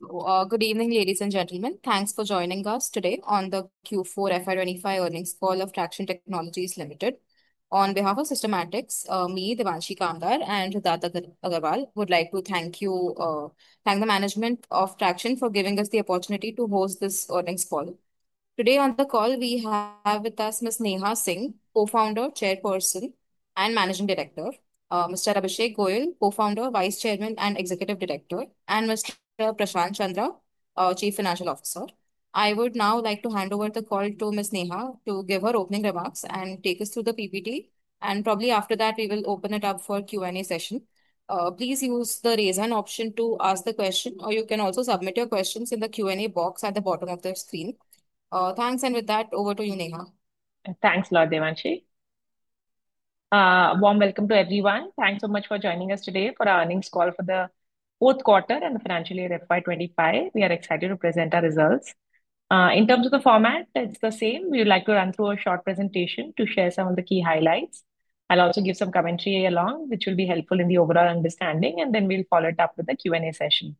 Good evening, ladies and gentlemen. Thanks for joining us today on the Q4 FY25 earnings call of Tracxn Technologies Limited. On behalf of Systematics, me, Devanshi Kandar, and Riddharth Agrawal, would like to thank you, thank the management of Tracxn for giving us the opportunity to host this earnings call. Today on the call, we have with us Ms. Neha Singh, co-founder, chairperson, and managing director; Mr. Abhishek Goyal, co-founder, vice chairman, and executive director; and Mr. Prashant Chandra, chief financial officer. I would now like to hand over the call to Ms. Neha to give her opening remarks and take us through the PPT. And probably after that, we will open it up for a Q&A session. Please use the raise hand option to ask the question, or you can also submit your questions in the Q&A box at the bottom of the screen. Thanks, and with that, over to you, Neha. Thanks a lot, Devanshi. Warm welcome to everyone. Thanks so much for joining us today for our earnings call for the fourth quarter and the financial year FY25. We are excited to present our results. In terms of the format, it's the same. We would like to run through a short presentation to share some of the key highlights. I'll also give some commentary along, which will be helpful in the overall understanding, and then we'll follow it up with a Q&A session.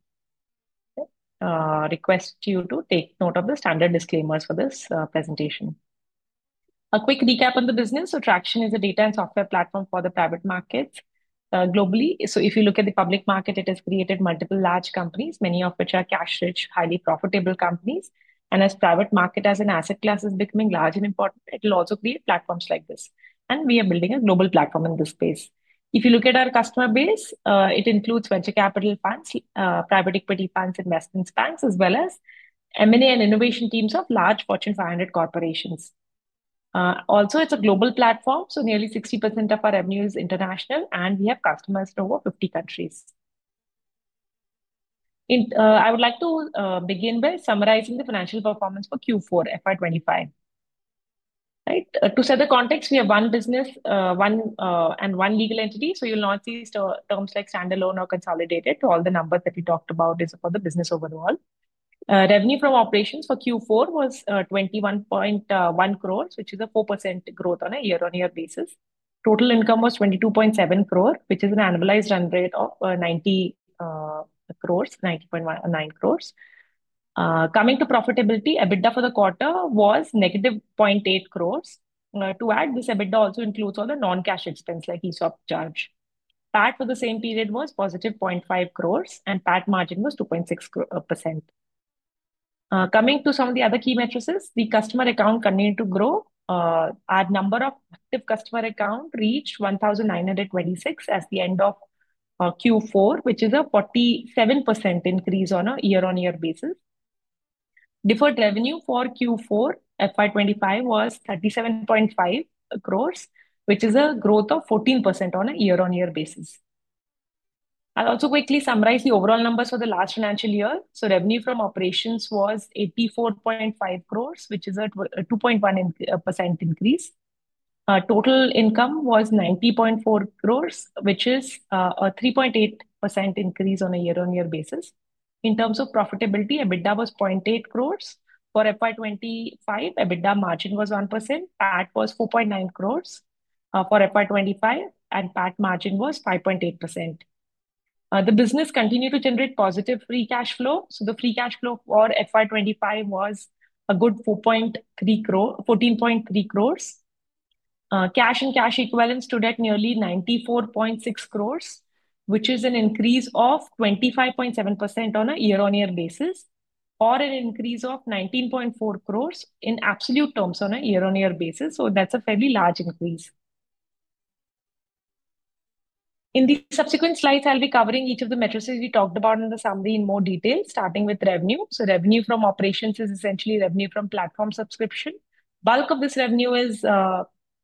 Request you to take note of the standard disclaimers for this presentation. A quick recap on the business. Tracxn is a data and software platform for the private markets globally. If you look at the public market, it has created multiple large companies, many of which are cash-rich, highly profitable companies. As the private market, as an asset class, is becoming large and important, it will also create platforms like this. We are building a global platform in this space. If you look at our customer base, it includes venture capital funds, private equity funds, investment funds, as well as M&A and innovation teams of large Fortune 500 corporations. Also, it is a global platform, so nearly 60% of our revenue is international, and we have customers in over 50 countries. I would like to begin by summarizing the financial performance for Q4 FY2025. To set the context, we have one business and one legal entity. You will not see terms like standalone or consolidated. All the numbers that we talk about are for the business overall. Revenue from operations for Q4 was 21.1 crores, which is a 4% growth on a year-on-year basis. Total income was 22.7 crores, which is an annualized run rate of 90 crores, 90.9 crores. Coming to profitability, EBITDA for the quarter was negative 0.8 crores. To add, this EBITDA also includes all the non-cash expense, like ESOP charge. PAT for the same period was positive 0.5 crores, and PAT margin was 2.6%. Coming to some of the other key metrics, the customer account continued to grow. Our number of active customer accounts reached 1,926 at the end of Q4, which is a 47% increase on a year-on-year basis. Deferred revenue for Q4 FY2025 was 37.5 crores, which is a growth of 14% on a year-on-year basis. I'll also quickly summarize the overall numbers for the last financial year. So revenue from operations was 84.5 crores, which is a 2.1% increase. Total income was 90.4 crores, which is a 3.8% increase on a year-on-year basis. In terms of profitability, EBITDA was 0.8 crores. For FY25, EBITDA margin was 1%. PAT was 4.9 crores for FY25, and PAT margin was 5.8%. The business continued to generate positive free cash flow. The free cash flow for FY25 was a good 14.3 crores. Cash and cash equivalents to debt nearly 94.6 crores, which is an increase of 25.7% on a year-on-year basis, or an increase of 19.4 crores in absolute terms on a year-on-year basis. That is a fairly large increase. In the subsequent slides, I'll be covering each of the metrics we talked about in the summary in more detail, starting with revenue. Revenue from operations is essentially revenue from platform subscription. Bulk of this revenue is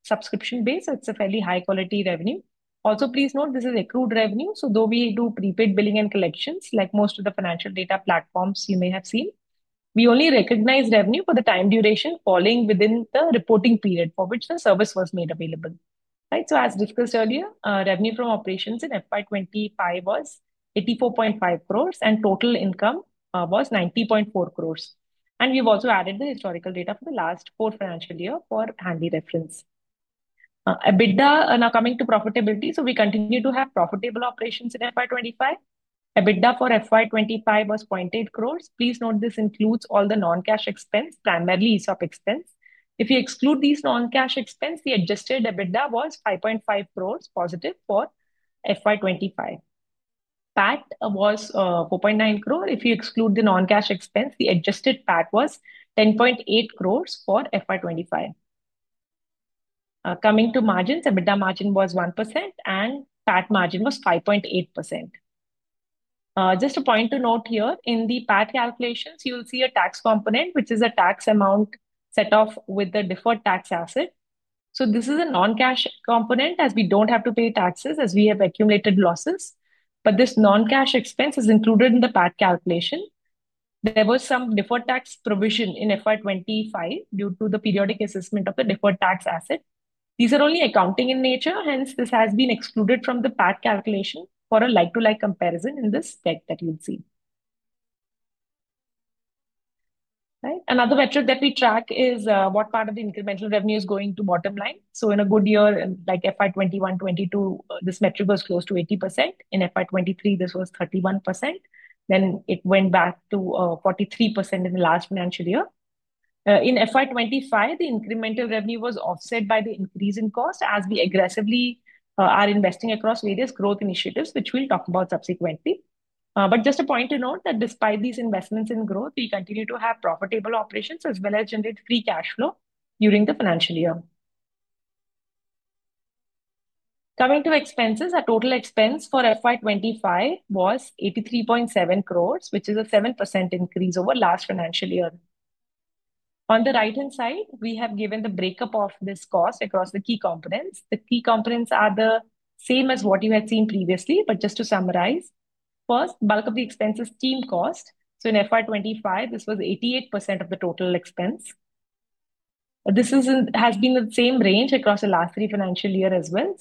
subscription-based. It's a fairly high-quality revenue. Also, please note, this is accrued revenue. Though we do prepaid billing and collections, like most of the financial data platforms you may have seen, we only recognize revenue for the time duration falling within the reporting period for which the service was made available. As discussed earlier, revenue from operations in FY2025 was 84.5 crores, and total income was 90.4 crores. We have also added the historical data for the last four financial years for handy reference. EBITDA, now coming to profitability, we continue to have profitable operations in FY2025. EBITDA for FY2025 was 0.8 crores. Please note this includes all the non-cash expense, primarily ESOP expense. If you exclude these non-cash expense, the adjusted EBITDA was 5.5 crores positive for FY2025. PAT was 4.9 crores. If you exclude the non-cash expense, the adjusted PAT was 10.8 crores for FY2025. Coming to margins, EBITDA margin was 1%, and PAT margin was 5.8%. Just a point to note here, in the PAT calculations, you'll see a tax component, which is a tax amount set off with the deferred tax asset. So this is a non-cash component, as we don't have to pay taxes as we have accumulated losses. But this non-cash expense is included in the PAT calculation. There was some deferred tax provision in FY2025 due to the periodic assessment of the deferred tax asset. These are only accounting in nature. Hence, this has been excluded from the PAT calculation for a like-to-like comparison in this deck that you'll see. Another metric that we track is what part of the incremental revenue is going to bottom line. In a good year, like FY2021-2022, this metric was close to 80%. In FY2023, this was 31%. It went back to 43% in the last financial year. In FY25, the incremental revenue was offset by the increase in cost as we aggressively are investing across various growth initiatives, which we'll talk about subsequently. Just a point to note that despite these investments in growth, we continue to have profitable operations as well as generate free cash flow during the financial year. Coming to expenses, our total expense for FY25 was 83.7 crores, which is a 7% increase over last financial year. On the right-hand side, we have given the breakup of this cost across the key components. The key components are the same as what you had seen previously, but just to summarize, first, bulk of the expenses team cost. In FY25, this was 88% of the total expense. This has been the same range across the last three financial years as well.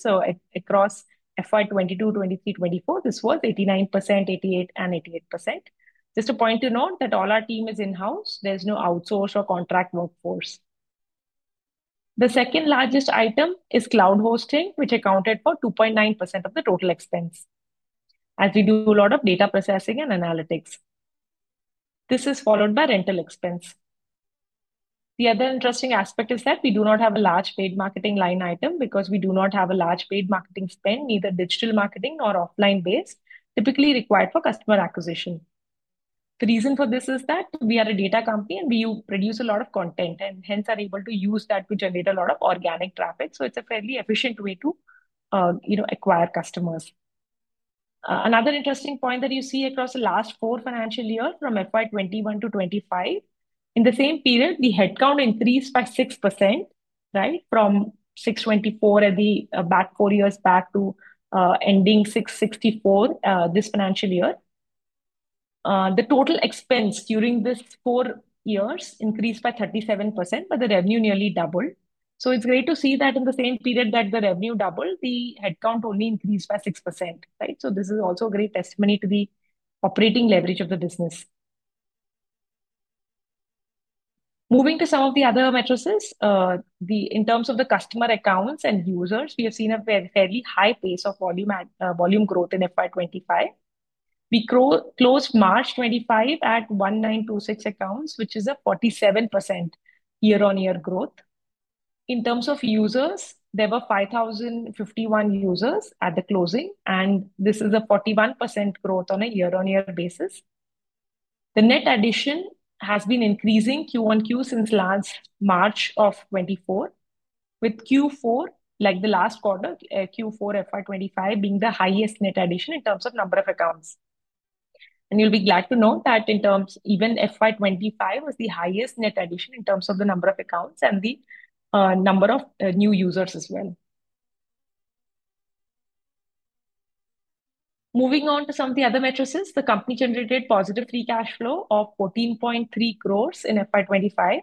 Across FY22, FY23, FY24, this was 89%, 88%, and 88%. Just a point to note that all our team is in-house. There is no outsource or contract workforce. The second largest item is cloud hosting, which accounted for 2.9% of the total expense, as we do a lot of data processing and analytics. This is followed by rental expense. The other interesting aspect is that we do not have a large paid marketing line item because we do not have a large paid marketing spend, neither digital marketing nor offline-based, typically required for customer acquisition. The reason for this is that we are a data company, and we produce a lot of content and hence are able to use that to generate a lot of organic traffic. It is a fairly efficient way to acquire customers. Another interesting point that you see across the last four financial years from FY2021 to 2025, in the same period, the headcount increased by 6% from 624 four years back to ending 664 this financial year. The total expense during these four years increased by 37%, but the revenue nearly doubled. It is great to see that in the same period that the revenue doubled, the headcount only increased by 6%. This is also a great testimony to the operating leverage of the business. Moving to some of the other metrics, in terms of the customer accounts and users, we have seen a fairly high pace of volume growth in FY2025. We closed March 2025 at 1,926 accounts, which is a 47% year-on-year growth. In terms of users, there were 5,051 users at the closing, and this is a 41% growth on a year-on-year basis. The net addition has been increasing Q1Q since last March of 2024, with Q4, like the last quarter, Q4 FY25 being the highest net addition in terms of number of accounts. You'll be glad to know that even FY25 was the highest net addition in terms of the number of accounts and the number of new users as well. Moving on to some of the other metrics, the company generated positive free cash flow of 14.3 crore in FY25.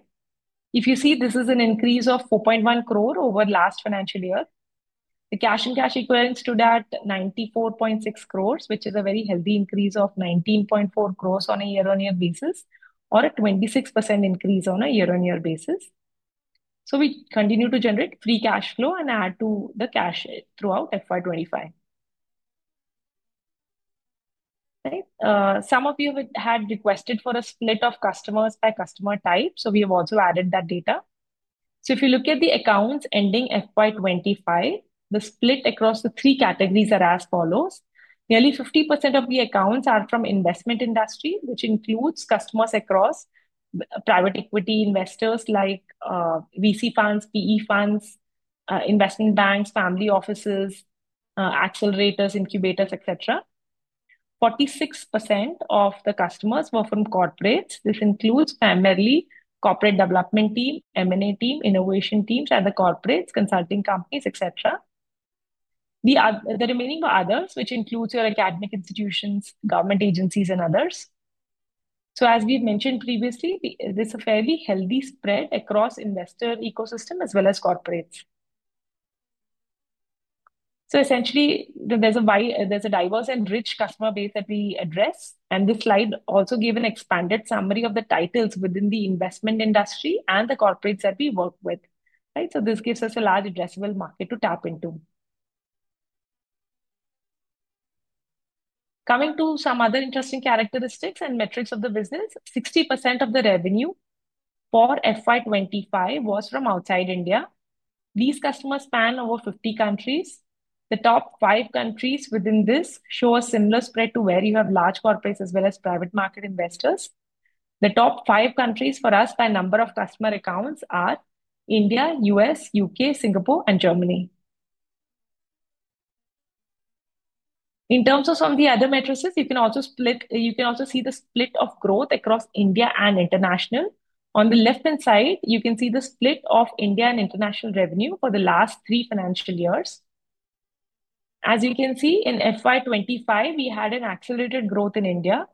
If you see, this is an increase of 4.1 crore over last financial year. The cash and cash equivalents to that, 94.6 crore, which is a very healthy increase of 19.4 crore on a year-on-year basis, or a 26% increase on a year-on-year basis. We continue to generate free cash flow and add to the cash throughout FY25. Some of you had requested for a split of customers by customer type, so we have also added that data. If you look at the accounts ending FY 2025, the split across the three categories is as follows. Nearly 50% of the accounts are from investment industry, which includes customers across private equity investors like VC funds, PE funds, investment banks, family offices, accelerators, incubators, etc. 46% of the customers were from corporates. This includes primarily corporate development team, M&A team, innovation teams at the corporates, consulting companies, etc. The remaining were others, which includes your academic institutions, government agencies, and others. As we've mentioned previously, this is a fairly healthy spread across investor ecosystem as well as corporates. Essentially, there's a diverse and rich customer base that we address. This slide also gives an expanded summary of the titles within the investment industry and the corporates that we work with. This gives us a large addressable market to tap into. Coming to some other interesting characteristics and metrics of the business, 60% of the revenue for FY25 was from outside India. These customers span over 50 countries. The top five countries within this show a similar spread to where you have large corporates as well as private market investors. The top five countries for us by number of customer accounts are India, U.S., U.K., Singapore, and Germany. In terms of some of the other metrics, you can also see the split of growth across India and international. On the left-hand side, you can see the split of India and international revenue for the last three financial years. As you can see, in FY25, we had an accelerated growth in India,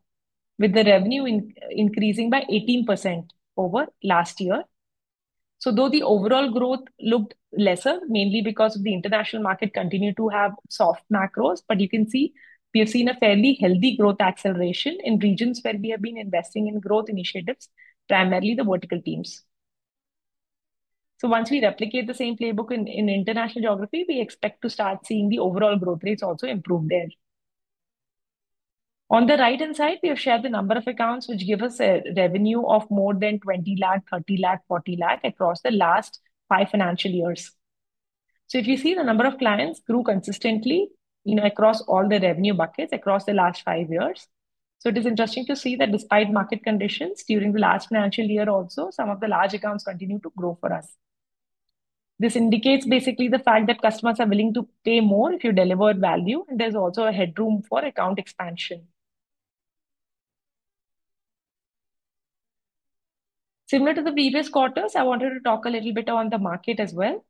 with the revenue increasing by 18% over last year. Though the overall growth looked lesser, mainly because the international market continued to have soft macros, you can see we have seen a fairly healthy growth acceleration in regions where we have been investing in growth initiatives, primarily the vertical teams. Once we replicate the same playbook in international geography, we expect to start seeing the overall growth rates also improve there. On the right-hand side, we have shared the number of accounts, which give us a revenue of more than 2 million, 3 million, 4 million across the last five financial years. If you see, the number of clients grew consistently across all the revenue buckets across the last five years. It is interesting to see that despite market conditions during the last financial year, also some of the large accounts continued to grow for us. This indicates basically the fact that customers are willing to pay more if you deliver value, and there's also a headroom for account expansion. Similar to the previous quarters, I wanted to talk a little bit on the market as well.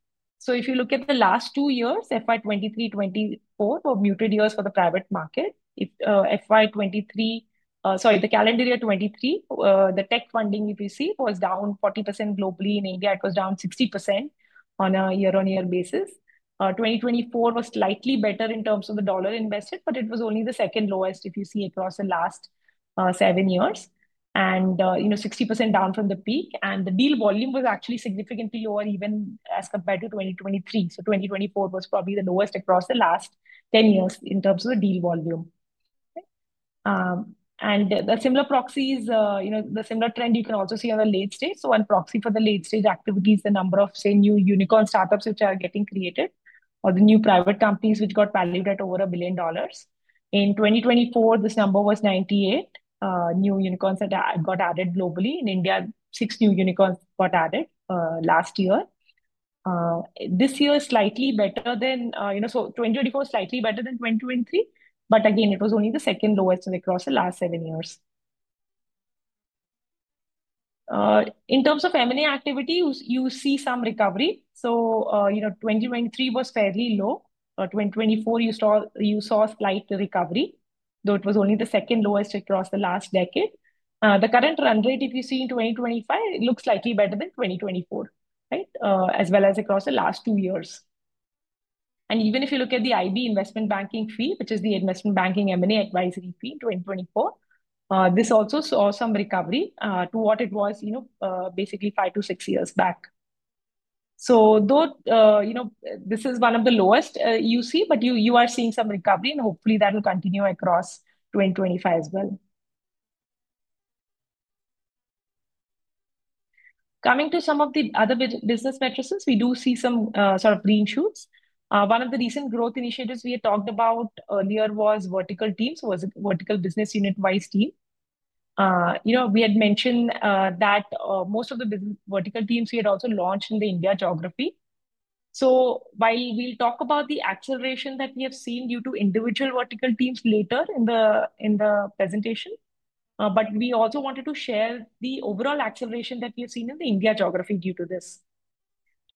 If you look at the last two years, 2023-2024 were muted years for the private market. Sorry, the calendar year 2023, the tech funding you see was down 40% globally. In India, it was down 60% on a year-on-year basis. 2024 was slightly better in terms of the dollar invested, but it was only the second lowest if you see across the last seven years, and 60% down from the peak. The deal volume was actually significantly lower even as compared to 2023. 2024 was probably the lowest across the last 10 years in terms of the deal volume. A similar proxy, a similar trend you can also see on the late stage. One proxy for the late stage activity is the number of, say, new unicorn startups which are getting created or the new private companies which got valued at over $1 billion. In 2024, this number was 98 new unicorns that got added globally. In India, six new unicorns got added last year. This year is slightly better than, so 2024 is slightly better than 2023, but again, it was only the second lowest across the last seven years. In terms of M&A activity, you see some recovery. 2023 was fairly low. 2024, you saw a slight recovery, though it was only the second lowest across the last decade. The current run rate, if you see in 2025, it looks slightly better than 2024, as well as across the last two years. Even if you look at the IB investment banking fee, which is the investment banking M&A advisory fee in 2024, this also saw some recovery to what it was basically five to six years back. Though this is one of the lowest you see, you are seeing some recovery, and hopefully that will continue across 2025 as well. Coming to some of the other business metrics, we do see some sort of green shoots. One of the recent growth initiatives we had talked about earlier was vertical teams, was a vertical business unit-wise team. We had mentioned that most of the vertical teams we had also launched in the India geography. While we will talk about the acceleration that we have seen due to individual vertical teams later in the presentation, we also wanted to share the overall acceleration that we have seen in the India geography due to this.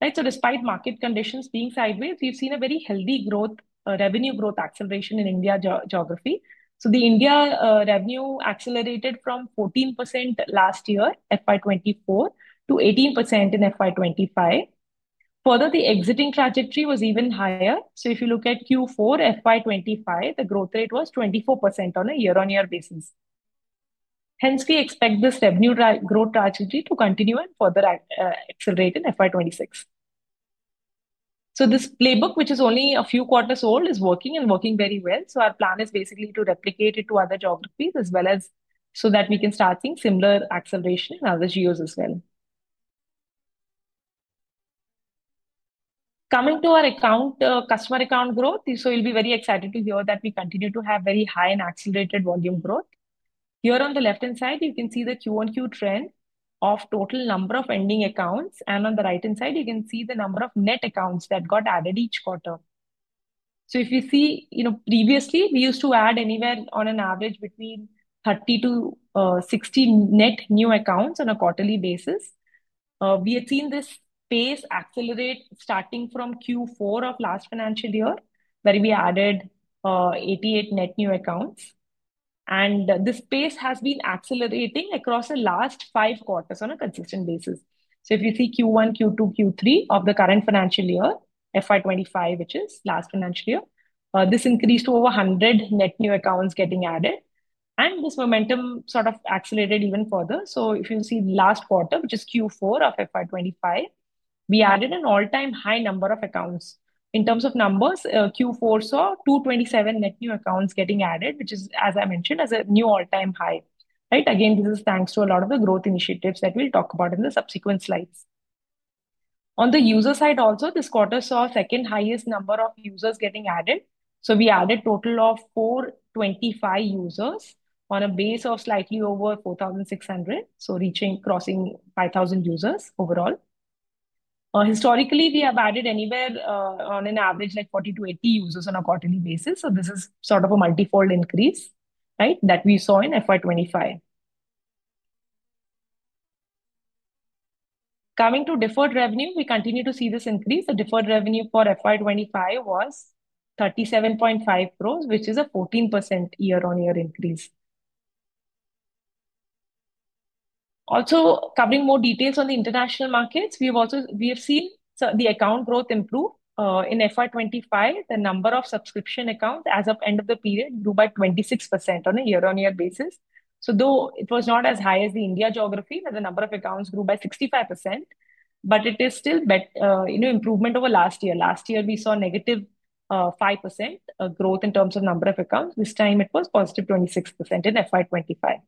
Despite market conditions being sideways, we have seen a very healthy revenue growth acceleration in India geography. The India revenue accelerated from 14% last year FY2024 to 18% in FY2025. Further, the exiting trajectory was even higher. If you look at Q4 FY2025, the growth rate was 24% on a year-on-year basis. Hence, we expect this revenue growth trajectory to continue and further accelerate in FY2026. This playbook, which is only a few quarters old, is working and working very well. Our plan is basically to replicate it to other geographies as well so that we can start seeing similar acceleration in other geos as well. Coming to our customer account growth, you'll be very excited to hear that we continue to have very high and accelerated volume growth. Here on the left-hand side, you can see the Q1Q trend of total number of ending accounts, and on the right-hand side, you can see the number of net accounts that got added each quarter. If you see, previously, we used to add anywhere on an average between 30-60 net new accounts on a quarterly basis. We had seen this pace accelerate starting from Q4 of last financial year, where we added 88 net new accounts. This pace has been accelerating across the last five quarters on a consistent basis. If you see Q1, Q2, Q3 of the current financial year, FY25, which is last financial year, this increased to over 100 net new accounts getting added. This momentum sort of accelerated even further. If you see last quarter, which is Q4 of FY25, we added an all-time high number of accounts. In terms of numbers, Q4 saw 227 net new accounts getting added, which is, as I mentioned, a new all-time high. This is thanks to a lot of the growth initiatives that we'll talk about in the subsequent slides. On the user side also, this quarter saw a second highest number of users getting added. We added a total of 425 users on a base of slightly over 4,600, so crossing 5,000 users overall. Historically, we have added anywhere on an average like 40-80 users on a quarterly basis. This is sort of a multi-fold increase that we saw in FY 2025. Coming to deferred revenue, we continue to see this increase. The deferred revenue for FY 2025 was 37.5 crores, which is a 14% year-on-year increase. Also, covering more details on the international markets, we have seen the account growth improve. In FY 2025, the number of subscription accounts as of end of the period grew by 26% on a year-on-year basis. Though it was not as high as the India geography, the number of accounts grew by 65%, but it is still improvement over last year. Last year, we saw a negative 5% growth in terms of number of accounts. This time, it was positive 26% in FY 2025.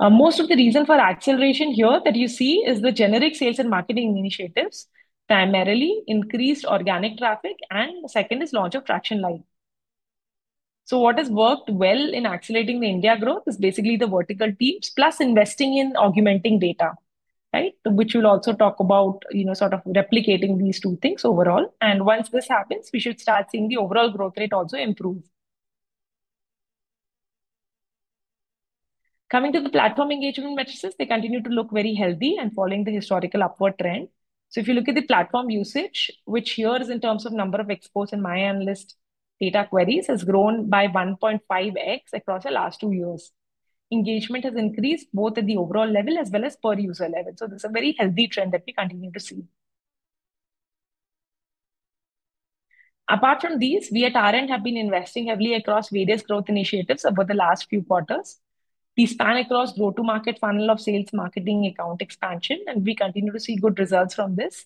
Most of the reason for acceleration here that you see is the generic sales and marketing initiatives, primarily increased organic traffic, and the second is launch of Tracxn Light. What has worked well in accelerating the India growth is basically the vertical teams plus investing in augmenting data, which we will also talk about, sort of replicating these two things overall. Once this happens, we should start seeing the overall growth rate also improve. Coming to the platform engagement metrics, they continue to look very healthy and following the historical upward trend. If you look at the platform usage, which here is in terms of number of exports and my analyst data queries, it has grown by 1.5x across the last two years. Engagement has increased both at the overall level as well as per user level. This is a very healthy trend that we continue to see. Apart from these, we at Tracxn have been investing heavily across various growth initiatives over the last few quarters. These span across go-to-market funnel of sales, marketing, account expansion, and we continue to see good results from this.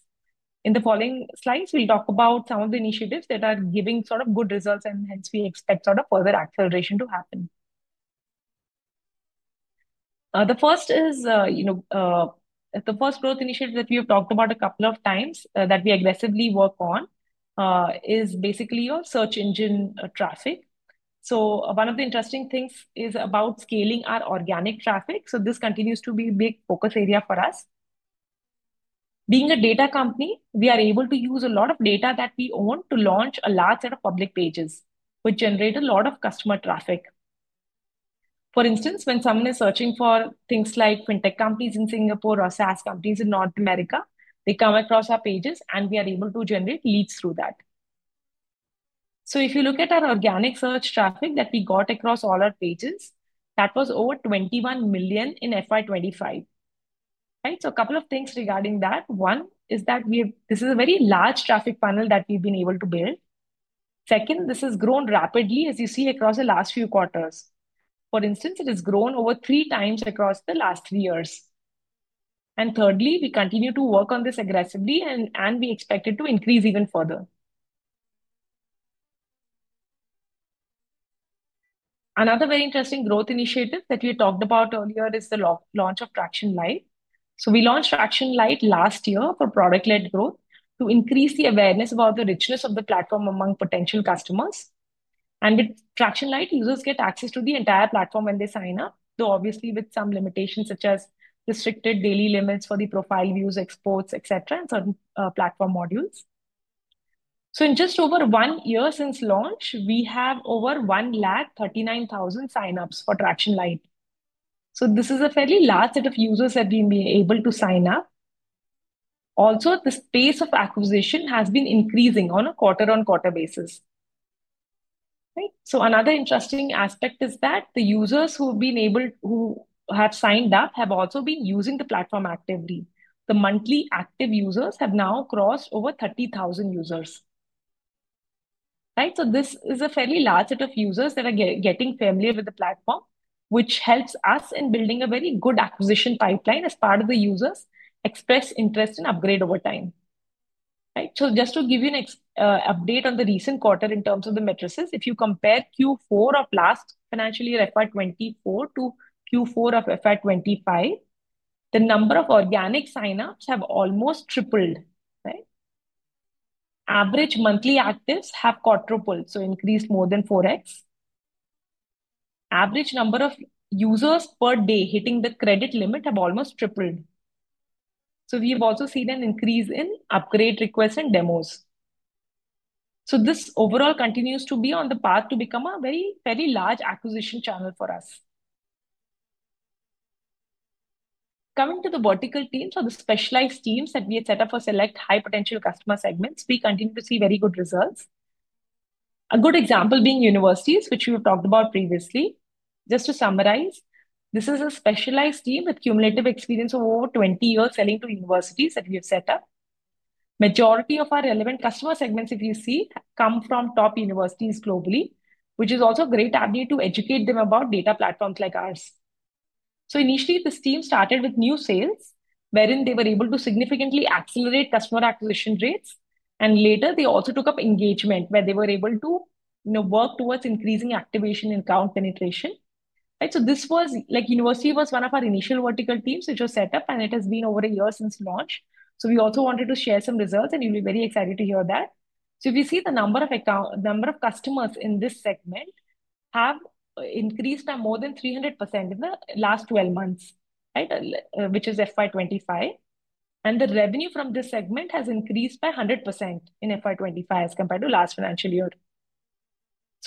In the following slides, we'll talk about some of the initiatives that are giving sort of good results, and hence we expect sort of further acceleration to happen. The first is the first growth initiative that we have talked about a couple of times that we aggressively work on is basically your search engine traffic. One of the interesting things is about scaling our organic traffic. This continues to be a big focus area for us. Being a data company, we are able to use a lot of data that we own to launch a large set of public pages, which generate a lot of customer traffic. For instance, when someone is searching for things like fintech companies in Singapore or SaaS companies in North America, they come across our pages, and we are able to generate leads through that. If you look at our organic search traffic that we got across all our pages, that was over 21 million in FY 2025. A couple of things regarding that. One is that this is a very large traffic funnel that we've been able to build. Second, this has grown rapidly, as you see across the last few quarters. For instance, it has grown over three times across the last three years. Thirdly, we continue to work on this aggressively, and we expect it to increase even further. Another very interesting growth initiative that we talked about earlier is the launch of Tracxn Light. We launched Tracxn Light last year for product-led growth to increase the awareness about the richness of the platform among potential customers. With Tracxn Light, users get access to the entire platform when they sign up, though obviously with some limitations such as restricted daily limits for the profile views, exports, etc., and certain platform modules. In just over one year since launch, we have over 139,000 sign-ups for Tracxn Light. This is a fairly large set of users that we've been able to sign up. Also, the pace of acquisition has been increasing on a quarter-on-quarter basis. Another interesting aspect is that the users who have signed up have also been using the platform actively. The monthly active users have now crossed over 30,000 users. This is a fairly large set of users that are getting familiar with the platform, which helps us in building a very good acquisition pipeline as part of the users express interest and upgrade over time. Just to give you an update on the recent quarter in terms of the metrics, if you compare Q4 of last financial year 2024 to Q4 of 2025, the number of organic sign-ups have almost tripled. Average monthly actives have quadrupled, so increased more than 4x. Average number of users per day hitting the credit limit have almost tripled. We have also seen an increase in upgrade requests and demos. This overall continues to be on the path to become a very large acquisition channel for us. Coming to the vertical teams or the specialized teams that we had set up for select high-potential customer segments, we continue to see very good results. A good example being universities, which we've talked about previously. Just to summarize, this is a specialized team with cumulative experience of over 20 years selling to universities that we have set up. Majority of our relevant customer segments, if you see, come from top universities globally, which is also a great avenue to educate them about data platforms like ours. Initially, this team started with new sales, wherein they were able to significantly accelerate customer acquisition rates. Later, they also took up engagement, where they were able to work towards increasing activation and account penetration. This was like university was one of our initial vertical teams which was set up, and it has been over a year since launch. We also wanted to share some results, and you'll be very excited to hear that. If you see, the number of customers in this segment has increased by more than 300% in the last 12 months, which is FY 2025. The revenue from this segment has increased by 100% in FY 2025 as compared to the last financial year.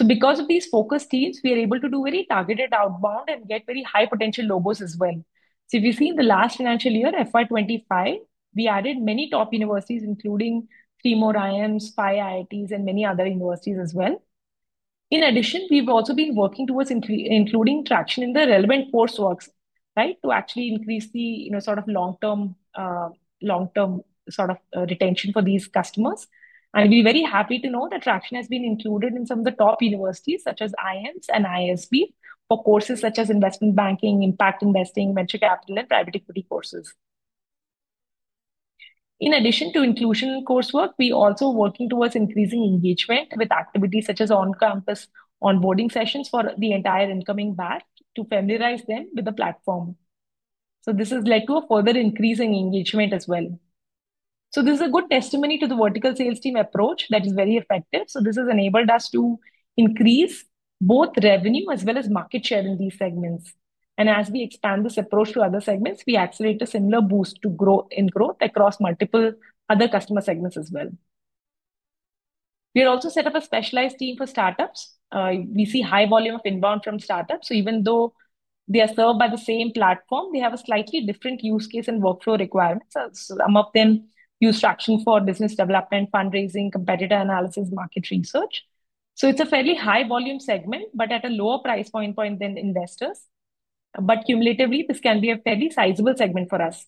Because of these focus teams, we are able to do very targeted outbound and get very high-potential logos as well. If you see, in the last financial year, FY 2025, we added many top universities, including three more IIMs, five IITs, and many other universities as well. In addition, we've also been working towards including Tracxn in the relevant courseworks to actually increase the sort of long-term sort of retention for these customers. We're very happy to know that Tracxn has been included in some of the top universities, such as IIMs and ISB, for courses such as investment banking, impact investing, venture capital, and private equity courses. In addition to inclusion in coursework, we are also working towards increasing engagement with activities such as on-campus onboarding sessions for the entire incoming batch to familiarize them with the platform. This has led to a further increase in engagement as well. This is a good testimony to the vertical sales team approach that is very effective. This has enabled us to increase both revenue as well as market share in these segments. As we expand this approach to other segments, we accelerate a similar boost in growth across multiple other customer segments as well. We had also set up a specialized team for startups. We see high volume of inbound from startups. Even though they are served by the same platform, they have a slightly different use case and workflow requirements. Some of them use Tracxn for business development, fundraising, competitor analysis, market research. It is a fairly high-volume segment, but at a lower price point than investors. Cumulatively, this can be a fairly sizable segment for us.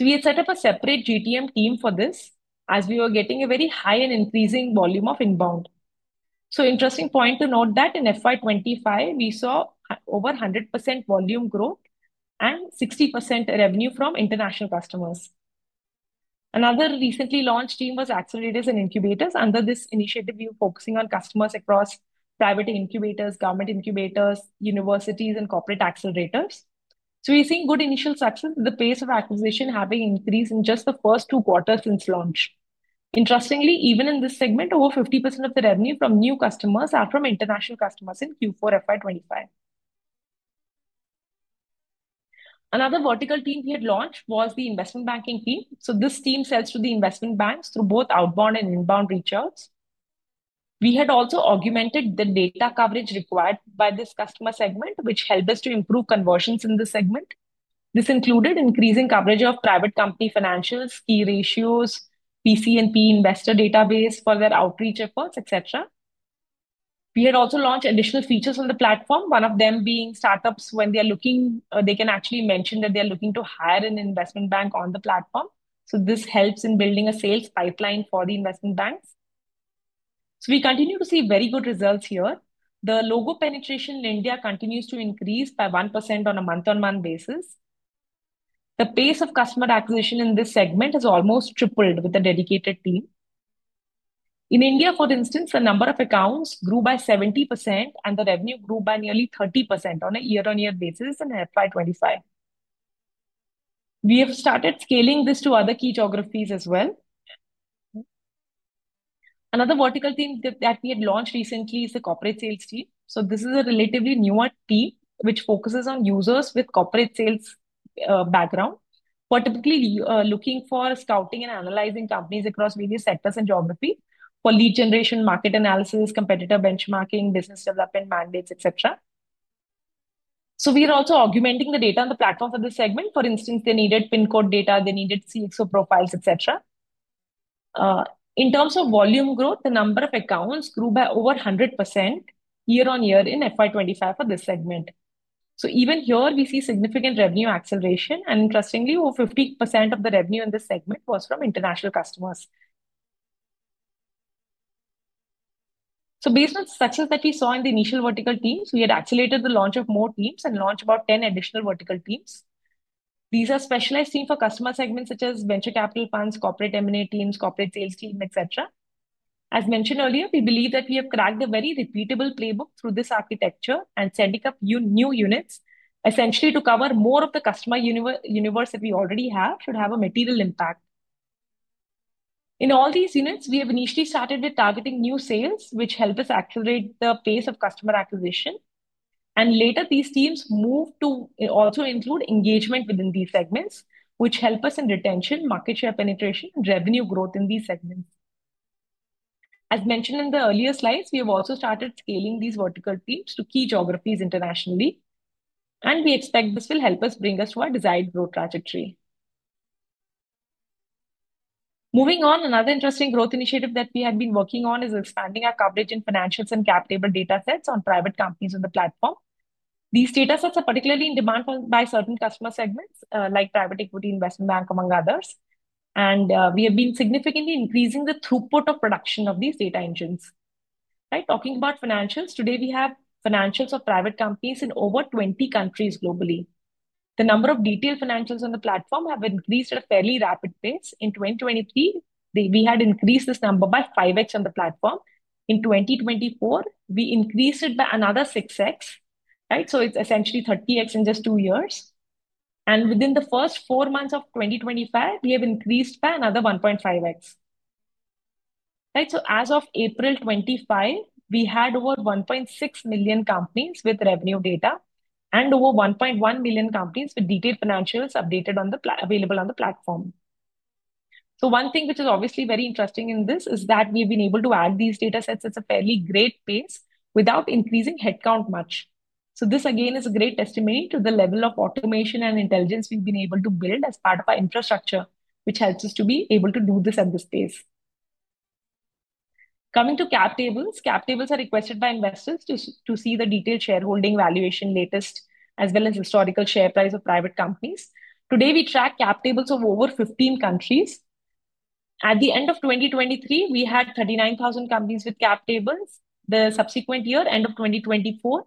We had set up a separate GTM team for this as we were getting a very high and increasing volume of inbound. An interesting point to note is that in FY2025, we saw over 100% volume growth and 60% revenue from international customers. Another recently launched team was accelerators and incubators under this initiative, focusing on customers across private incubators, government incubators, universities, and corporate accelerators. We're seeing good initial success with the pace of acquisition having increased in just the first two quarters since launch. Interestingly, even in this segment, over 50% of the revenue from new customers are from international customers in Q4 FY25. Another vertical team we had launched was the investment banking team. This team sells to the investment banks through both outbound and inbound reach-outs. We had also augmented the data coverage required by this customer segment, which helped us to improve conversions in this segment. This included increasing coverage of private company financials, key ratios, PC and PE investor database for their outreach efforts, etc. We had also launched additional features on the platform, one of them being startups when they are looking, they can actually mention that they are looking to hire an investment bank on the platform. This helps in building a sales pipeline for the investment banks. We continue to see very good results here. The logo penetration in India continues to increase by 1% on a month-on-month basis. The pace of customer acquisition in this segment has almost tripled with a dedicated team. In India, for instance, the number of accounts grew by 70%, and the revenue grew by nearly 30% on a year-on-year basis in FY25. We have started scaling this to other key geographies as well. Another vertical team that we had launched recently is the corporate sales team. This is a relatively newer team, which focuses on users with corporate sales background. We're typically looking for scouting and analyzing companies across various sectors and geographies for lead generation, market analysis, competitor benchmarking, business development mandates, etc. We are also augmenting the data on the platform for this segment. For instance, they needed PIN code data, they needed CXO profiles, etc. In terms of volume growth, the number of accounts grew by over 100% year-on-year in 2025 for this segment. Even here, we see significant revenue acceleration. Interestingly, over 50% of the revenue in this segment was from international customers. Based on success that we saw in the initial vertical teams, we had accelerated the launch of more teams and launched about 10 additional vertical teams. These are specialized teams for customer segments such as venture capital funds, corporate M&A teams, corporate sales team, etc. As mentioned earlier, we believe that we have cracked a very repeatable playbook through this architecture and setting up new units, essentially to cover more of the customer universe that we already have should have a material impact. In all these units, we have initially started with targeting new sales, which helps us accelerate the pace of customer acquisition. Later, these teams moved to also include engagement within these segments, which helps us in retention, market share penetration, and revenue growth in these segments. As mentioned in the earlier slides, we have also started scaling these vertical teams to key geographies internationally. We expect this will help bring us to our desired growth trajectory. Moving on, another interesting growth initiative that we have been working on is expanding our coverage in financials and cap table data sets on private companies on the platform. These data sets are particularly in demand by certain customer segments, like private equity, investment bank, among others. We have been significantly increasing the throughput of production of these data engines. Talking about financials, today we have financials of private companies in over 20 countries globally. The number of detailed financials on the platform has increased at a fairly rapid pace. In 2023, we had increased this number by 5x on the platform. In 2024, we increased it by another 6x. It is essentially 30x in just two years. Within the first four months of 2025, we have increased by another 1.5x. As of April 25, we had over 1.6 million companies with revenue data and over 1.1 million companies with detailed financials updated and available on the platform. One thing which is obviously very interesting in this is that we have been able to add these data sets at a fairly great pace without increasing headcount much. This again is a great testimony to the level of automation and intelligence we've been able to build as part of our infrastructure, which helps us to be able to do this at this pace. Coming to cap tables, cap tables are requested by investors to see the detailed shareholding valuation latest, as well as historical share price of private companies. Today, we track cap tables of over 15 countries. At the end of 2023, we had 39,000 companies with cap tables. The subsequent year, end of 2024,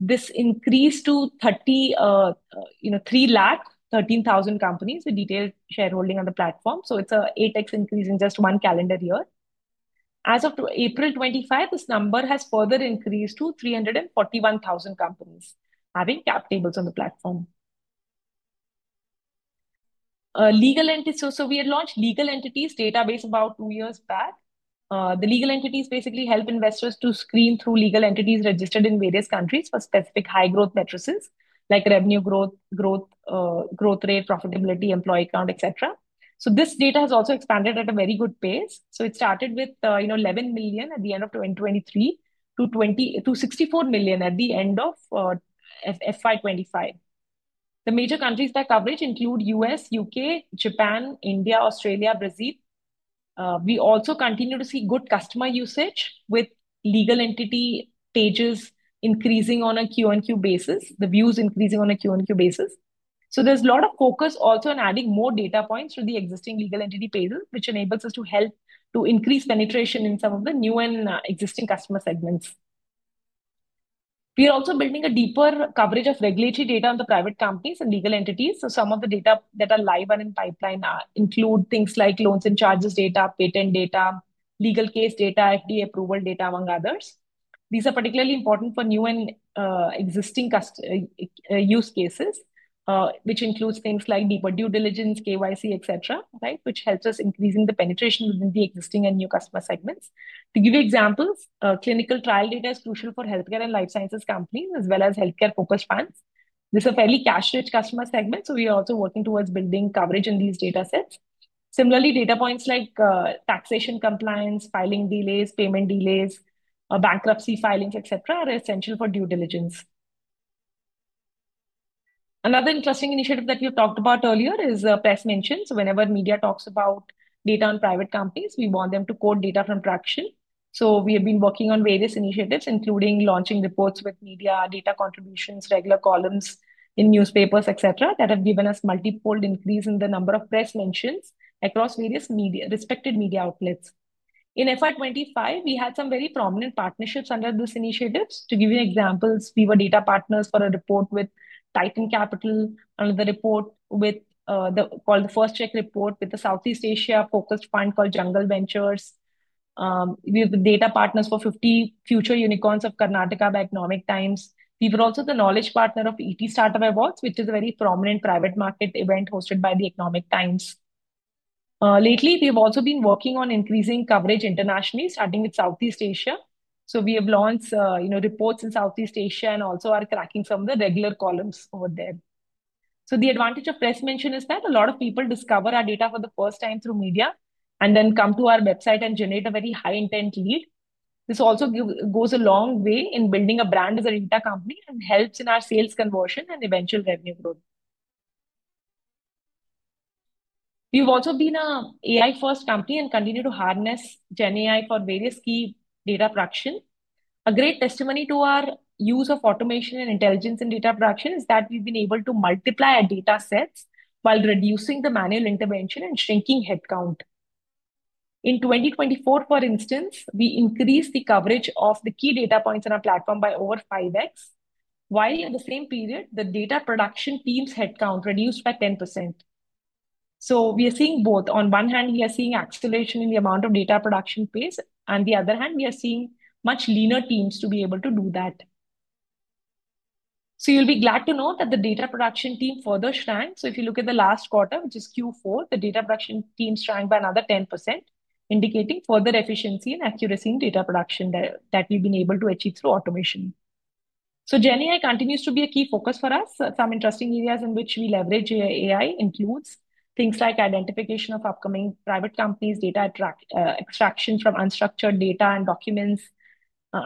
this increased to 313,000 companies with detailed shareholding on the platform. It is an 8x increase in just one calendar year. As of April 25, this number has further increased to 341,000 companies having cap tables on the platform. Legal entities. We had launched a legal entities database about two years back. The legal entities basically help investors to screen through legal entities registered in various countries for specific high-growth matrices, like revenue growth, growth rate, profitability, employee count, etc. This data has also expanded at a very good pace. It started with 11 million at the end of 2023 to 64 million at the end of FY25. The major countries that coverage include the U.S., U.K., Japan, India, Australia, Brazil. We also continue to see good customer usage with legal entity pages increasing on a Q&Q basis, the views increasing on a Q&Q basis. There is a lot of focus also on adding more data points to the existing legal entity pages, which enables us to help to increase penetration in some of the new and existing customer segments. We are also building a deeper coverage of regulatory data on the private companies and legal entities. Some of the data that are live and in pipeline include things like loans and charges data, patent data, legal case data, FDA approval data, among others. These are particularly important for new and existing use cases, which includes things like deeper due diligence, KYC, etc., which helps us increase the penetration within the existing and new customer segments. To give you examples, clinical trial data is crucial for healthcare and life sciences companies, as well as healthcare-focused funds. This is a fairly cash-rich customer segment, so we are also working towards building coverage in these data sets. Similarly, data points like taxation compliance, filing delays, payment delays, bankruptcy filings, etc., are essential for due diligence. Another interesting initiative that we have talked about earlier is press mentions. Whenever media talks about data on private companies, we want them to quote data from Tracxn. We have been working on various initiatives, including launching reports with media, data contributions, regular columns in newspapers, etc., that have given us multiple increases in the number of press mentions across various respected media outlets. In FY 2025, we had some very prominent partnerships under this initiative. To give you examples, we were data partners for a report with Titan Capital, another report called the First Check Report with the Southeast Asia-focused fund called Jungle Ventures. We were the data partners for 50 future unicorns of Karnataka by Economic Times. We were also the knowledge partner of ET Startup Awards, which is a very prominent private market event hosted by the Economic Times. Lately, we have also been working on increasing coverage internationally, starting with Southeast Asia. We have launched reports in Southeast Asia and also are tracking some of the regular columns over there. The advantage of press mention is that a lot of people discover our data for the first time through media and then come to our website and generate a very high-intent lead. This also goes a long way in building a brand as a data company and helps in our sales conversion and eventual revenue growth. We have also been an AI-first company and continue to harness GenAI for various key data production. A great testimony to our use of automation and intelligence in data production is that we've been able to multiply our data sets while reducing the manual intervention and shrinking headcount. In 2024, for instance, we increased the coverage of the key data points on our platform by over 5x, while in the same period, the data production teams' headcount reduced by 10%. We are seeing both. On one hand, we are seeing acceleration in the amount of data production pace, and on the other hand, we are seeing much leaner teams to be able to do that. You will be glad to know that the data production team further shrank. If you look at the last quarter, which is Q4, the data production team shrank by another 10%, indicating further efficiency and accuracy in data production that we have been able to achieve through automation. GenAI continues to be a key focus for us. Some interesting areas in which we leverage AI include things like identification of upcoming private companies, data extraction from unstructured data and documents,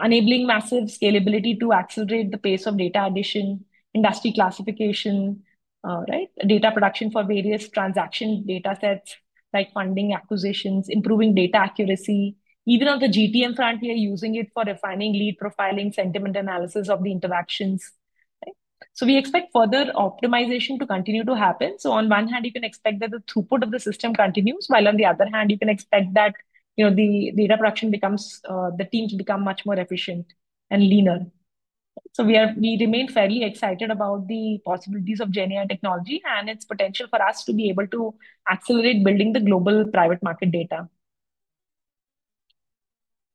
enabling massive scalability to accelerate the pace of data addition, industry classification, data production for various transaction data sets like funding acquisitions, improving data accuracy. Even on the GTM front, we are using it for refining lead profiling, sentiment analysis of the interactions. We expect further optimization to continue to happen. On one hand, you can expect that the throughput of the system continues, while on the other hand, you can expect that the data production becomes the team to become much more efficient and leaner. We remain fairly excited about the possibilities of GenAI technology and its potential for us to be able to accelerate building the global private market data.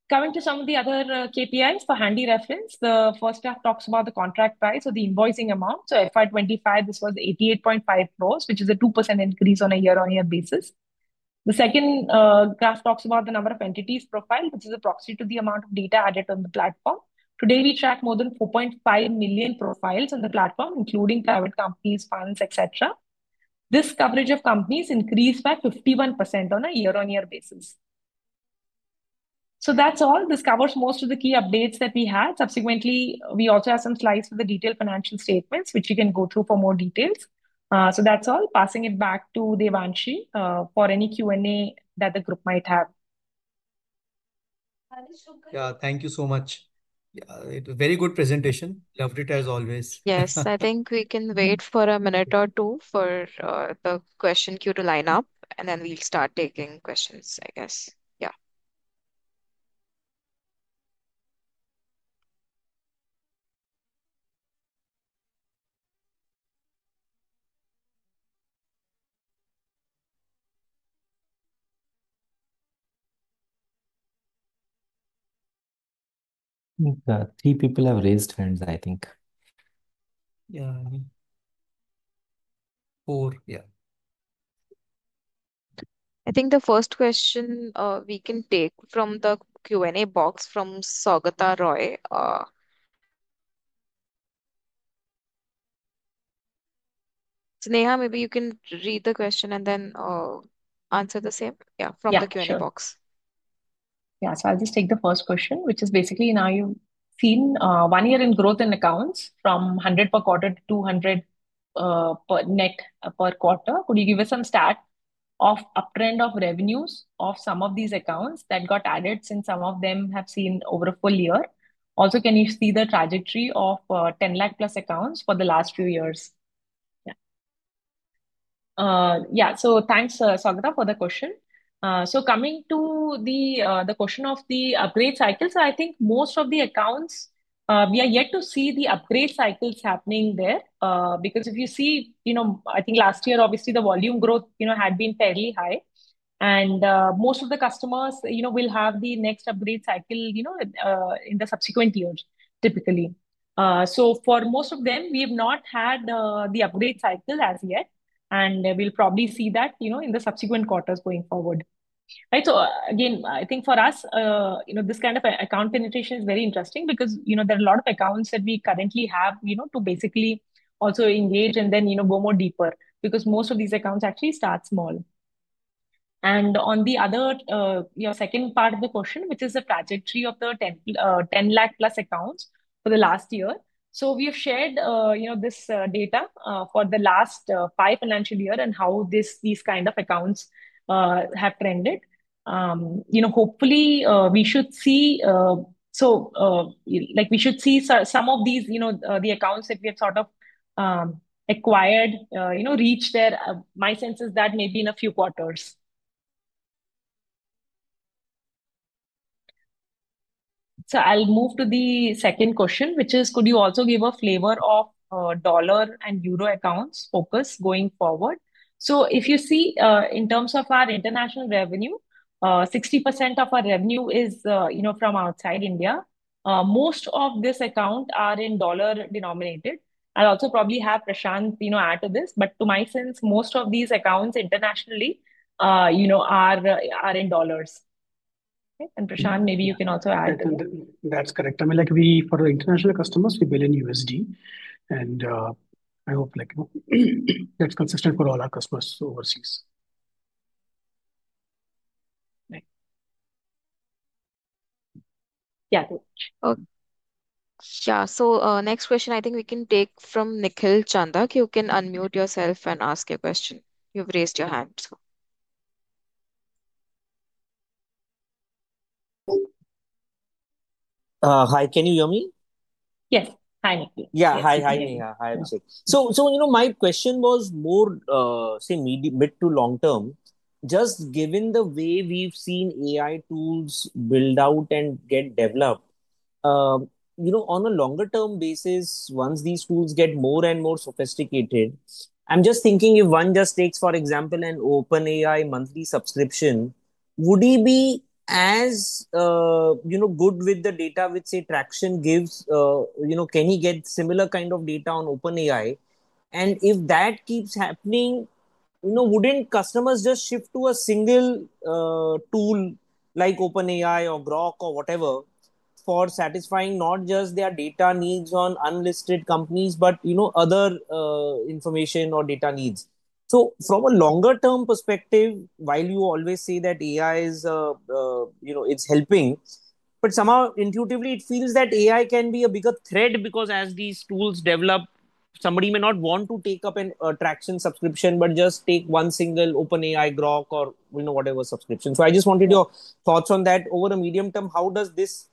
Coming to some of the other KPIs for handy reference, the first graph talks about the contract price or the invoicing amount. For FY2025, this was 88.5 crores, which is a 2% increase on a year-on-year basis. The second graph talks about the number of entities profiled, which is a proxy to the amount of data added on the platform. Today, we track more than 4.5 million profiles on the platform, including private companies, funds, etc. This coverage of companies increased by 51% on a year-on-year basis. That's all. This covers most of the key updates that we had. Subsequently, we also have some slides for the detailed financial statements, which you can go through for more details. That's all. Passing it back to Devanshi for any Q&A that the group might have. Thank you so much. It was a very good presentation. Loved it as always. Yes, I think we can wait for a minute or two for the question queue to line up, and then we'll start taking questions, I guess. Yeah. Three people have raised hands, I think. Yeah. Four. Yeah. I think the first question we can take from the Q&A box from Sagata Roy. Sneha, maybe you can read the question and then answer the same. Yeah, from the Q&A box. Yeah, so I'll just take the first question, which is basically now you've seen one year in growth in accounts from 100 per quarter to 200 net per quarter. Could you give us some stat of uptrend of revenues of some of these accounts that got added since some of them have seen over a full year? Also, can you see the trajectory of 10 lakh+ accounts for the last few years? Yeah. Yeah, so thanks, Sagata, for the question. So coming to the question of the upgrade cycle, I think most of the accounts, we are yet to see the upgrade cycles happening there because if you see, I think last year, obviously the volume growth had been fairly high. Most of the customers will have the next upgrade cycle in the subsequent years, typically. For most of them, we have not had the upgrade cycle as yet, and we will probably see that in the subsequent quarters going forward. I think for us, this kind of account penetration is very interesting because there are a lot of accounts that we currently have to basically also engage and then go more deeper because most of these accounts actually start small. On the other second part of the question, which is the trajectory of the 1 million+ accounts for the last year, we have shared this data for the last five financial years and how these kind of accounts have trended. Hopefully, we should see some of the accounts that we have sort of acquired reach there. My sense is that maybe in a few quarters. I'll move to the second question, which is, could you also give a flavor of dollar and euro accounts focus going forward? If you see, in terms of our international revenue, 60% of our revenue is from outside India. Most of this account are in dollar denominated. I'll also probably have Prashant add to this, but to my sense, most of these accounts internationally are in dollars. Prashant, maybe you can also add to that. That's correct. I mean, for the international customers, we bill in USD, and I hope that's consistent for all our customers overseas. Yeah. Yeah. Next question, I think we can take from Nikhil Chandha. You can unmute yourself and ask your question. You've raised your hand. Hi, can you hear me? Yes. Hi. Yeah. Hi. Hi, Neha. Hi, Abhishek. My question was more, say, mid to long term. Just given the way we've seen AI tools build out and get developed, on a longer-term basis, once these tools get more and more sophisticated, I'm just thinking if one just takes, for example, an OpenAI monthly subscription, would he be as good with the data with, say, Tracxn gives? Can he get similar kind of data on OpenAI? If that keeps happening, wouldn't customers just shift to a single tool like OpenAI or Grok or whatever for satisfying not just their data needs on unlisted companies, but other information or data needs? From a longer-term perspective, while you always say that AI is helping, but somehow intuitively, it feels that AI can be a bigger threat because as these tools develop, somebody may not want to take up a Tracxn subscription, but just take one single OpenAI, Grok, or whatever subscription. I just wanted your thoughts on that. Over the medium term, how does this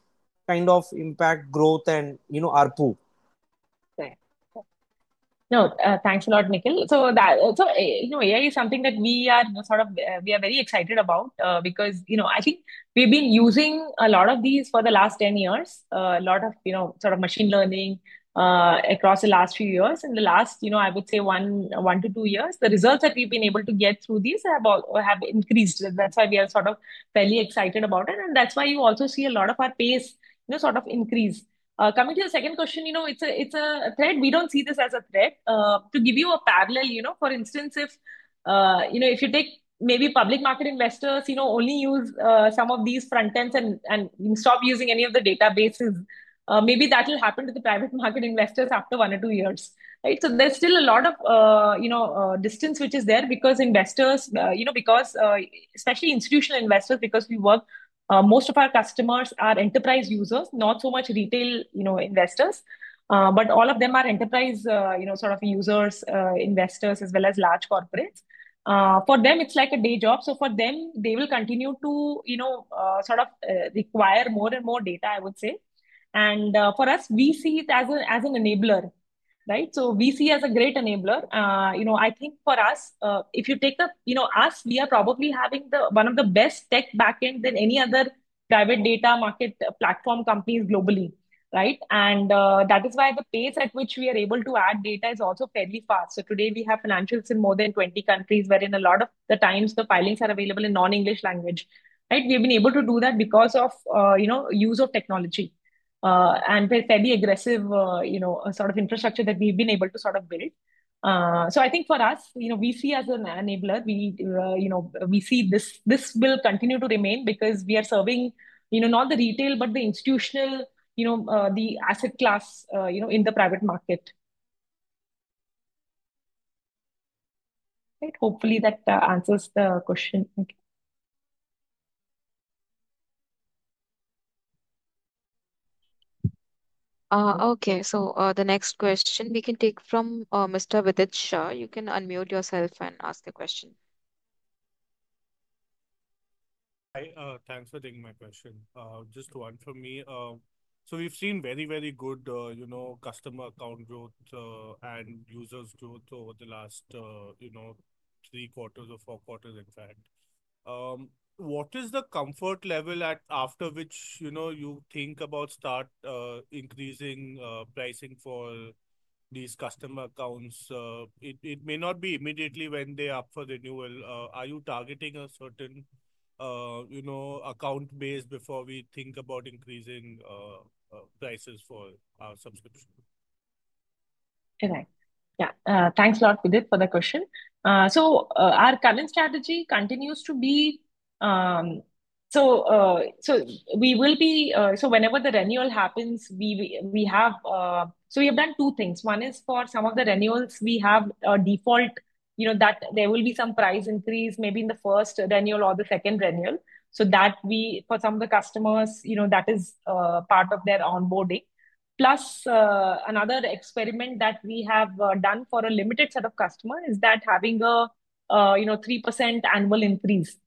kind of impact growth and ARPU? No, thanks a lot, Nikhil. AI is something that we are sort of very excited about because I think we have been using a lot of these for the last 10 years, a lot of sort of machine learning across the last few years. In the last, I would say, one to two years, the results that we have been able to get through these have increased. That is why we are sort of fairly excited about it. That is why you also see a lot of our pace sort of increase. Coming to the second question, it is a thread. We do not see this as a threat. To give you a parallel, for instance, if you take maybe public market investors only use some of these frontends and stop using any of the databases, maybe that will happen to the private market investors after one or two years. There is still a lot of distance which is there because investors, especially institutional investors, because most of our customers are enterprise users, not so much retail investors, but all of them are enterprise sort of users, investors, as well as large corporates. For them, it is like a day job. For them, they will continue to sort of require more and more data, I would say. For us, we see it as an enabler. We see it as a great enabler. I think for us, if you take us, we are probably having one of the best tech backends than any other private data market platform companies globally. That is why the pace at which we are able to add data is also fairly fast. Today, we have financials in more than 20 countries wherein a lot of the times, the filings are available in non-English language. We have been able to do that because of the use of technology and fairly aggressive sort of infrastructure that we've been able to sort of build. I think for us, we see as an enabler, we see this will continue to remain because we are serving not the retail, but the institutional, the asset class in the private market. Hopefully, that answers the question. Okay. The next question we can take from Mr. Vithij. You can unmute yourself and ask a question. Thanks for taking my question. Just one from me. We've seen very, very good customer account growth and users' growth over the last three quarters or four quarters, in fact. What is the comfort level after which you think about start increasing pricing for these customer accounts? It may not be immediately when they're up for renewal. Are you targeting a certain account base before we think about increasing prices for our subscription? Yeah. Thanks a lot, Vithij, for the question. Our current strategy continues to be so we will be so whenever the renewal happens, we have so we have done two things. One is for some of the renewals, we have a default that there will be some price increase maybe in the first renewal or the second renewal. For some of the customers, that is part of their onboarding. Plus, another experiment that we have done for a limited set of customers is that having a 3% annual increase.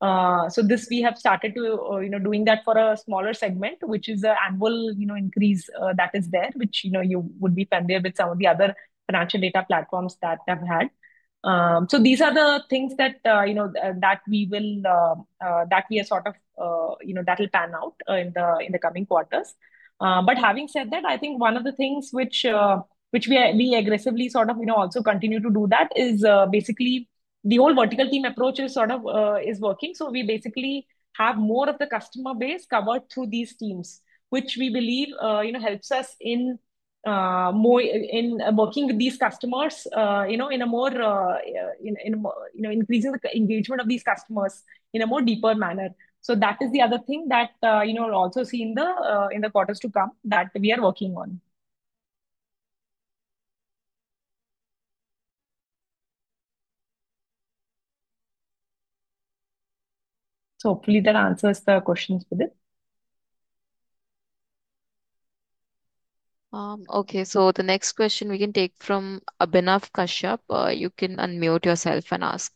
We have started doing that for a smaller segment, which is an annual increase that is there, which you would be familiar with some of the other financial data platforms that have had. These are the things that we are sort of that will pan out in the coming quarters. Having said that, I think one of the things which we aggressively sort of also continue to do is basically the whole vertical team approach is working. We basically have more of the customer base covered through these teams, which we believe helps us in working with these customers in a more increasing the engagement of these customers in a more deeper manner. That is the other thing that we'll also see in the quarters to come that we are working on. Hopefully, that answers the questions, Vithij. Okay. The next question we can take from Abhinav Kashyap. You can unmute yourself and ask.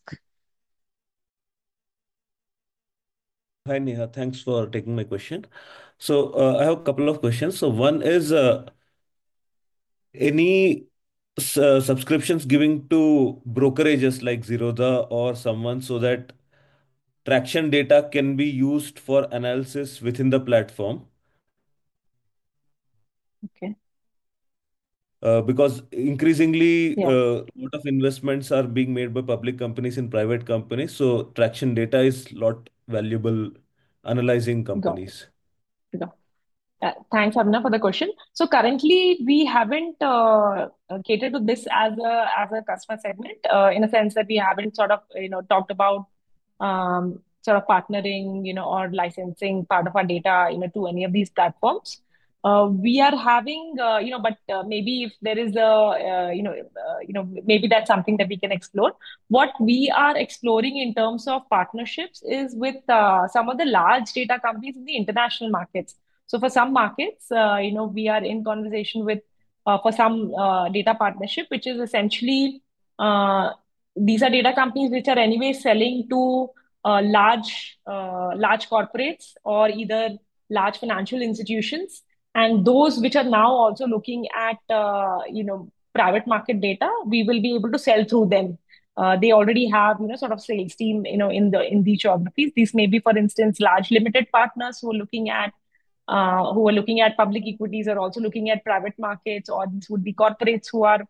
Hi, Neha. Thanks for taking my question. I have a couple of questions. One is, any subscriptions giving to brokerages like Zerodha or someone so that Tracxn data can be used for analysis within the platform? Because increasingly, a lot of investments are being made by public companies and private companies. Tracxn data is a lot valuable analyzing companies. Thanks, Abhinav, for the question. Currently, we haven't catered to this as a customer segment in a sense that we haven't sort of talked about partnering or licensing part of our data to any of these platforms. We are having, but maybe if there is a maybe that's something that we can explore. What we are exploring in terms of partnerships is with some of the large data companies in the international markets. For some markets, we are in conversation for some data partnership, which is essentially these are data companies which are anyway selling to large corporates or either large financial institutions. Those which are now also looking at private market data, we will be able to sell through them. They already have sort of sales team in these geographies. These may be, for instance, large limited partners who are looking at public equities or also looking at private markets, or this would be corporates who are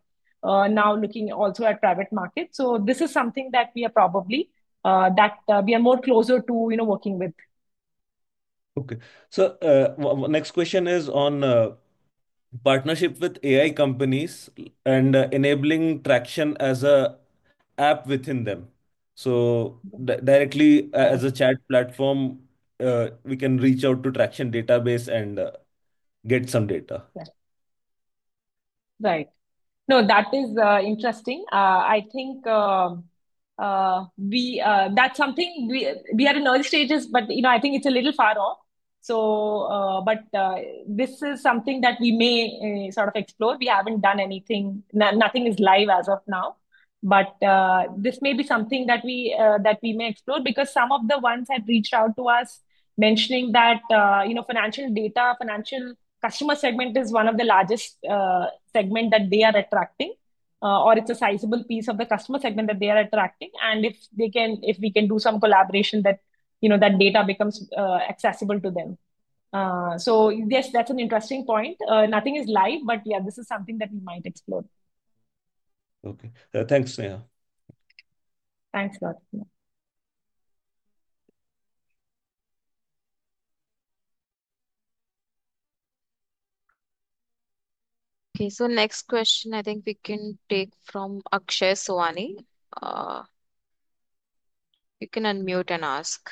now looking also at private markets. This is something that we are probably more closer to working with. Okay. Next question is on partnership with AI companies and enabling Tracxn as an app within them. Directly as a chat platform, we can reach out to Tracxn database and get some data, right. No, that is interesting. I think that's something we are in early stages, but I think it's a little far off. This is something that we may sort of explore. We haven't done anything. Nothing is live as of now. But this may be something that we may explore because some of the ones have reached out to us mentioning that financial data, financial customer segment is one of the largest segment that they are attracting, or it's a sizable piece of the customer segment that they are attracting. If we can do some collaboration, that data becomes accessible to them. Yes, that's an interesting point. Nothing is live, but yeah, this is something that we might explore. Okay. Thanks, Neha. Thanks a lot. Okay. Next question, I think we can take from Akshay Sowani. You can unmute and ask.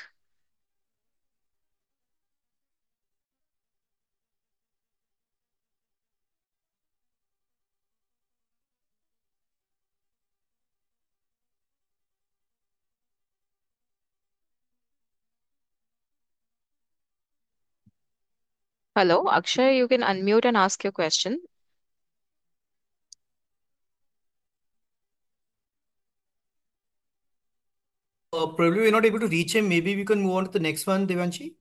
Hello, Akshay, you can unmute and ask your question. Probably we're not able to reach him. Maybe we can move on to the next one, Devanshi.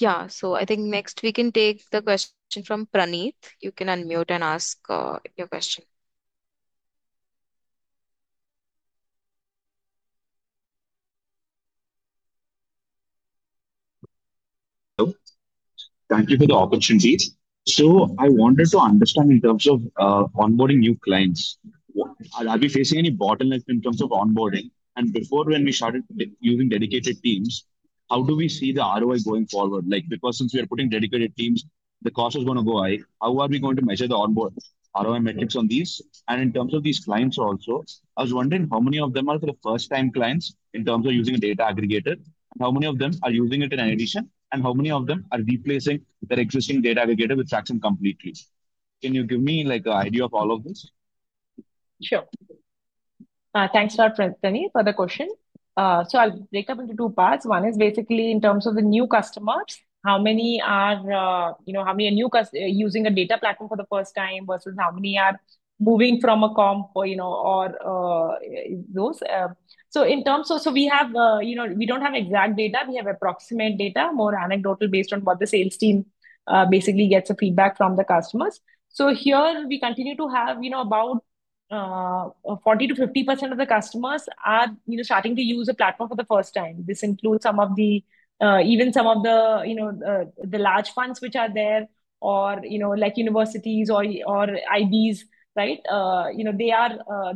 Yeah. I think next we can take the question from Praneeth. You can unmute and ask your question. Hello. Thank you for the opportunity. I wanted to understand in terms of onboarding new clients, are we facing any bottlenecks in terms of onboarding? Before, when we started using dedicated teams, how do we see the ROI going forward? Because since we are putting dedicated teams, the cost is going to go high. How are we going to measure the ROI metrics on these? In terms of these clients also, I was wondering how many of them are the first-time clients in terms of using a data aggregator, how many of them are using it in addition, and how many of them are replacing their existing data aggregator with Tracxn completely? Can you give me an idea of all of this? Sure. Thanks a lot, Praneeth, for the question. I'll break up into two parts. One is basically in terms of the new customers, how many are using a data platform for the first time versus how many are moving from a competitor or those. In terms of, we do not have exact data. We have approximate data, more anecdotal, based on what the sales team basically gets feedback from the customers. Here, we continue to have about 40-50% of the customers starting to use a platform for the first time. This includes even some of the large funds which are there or like universities or IBs, right?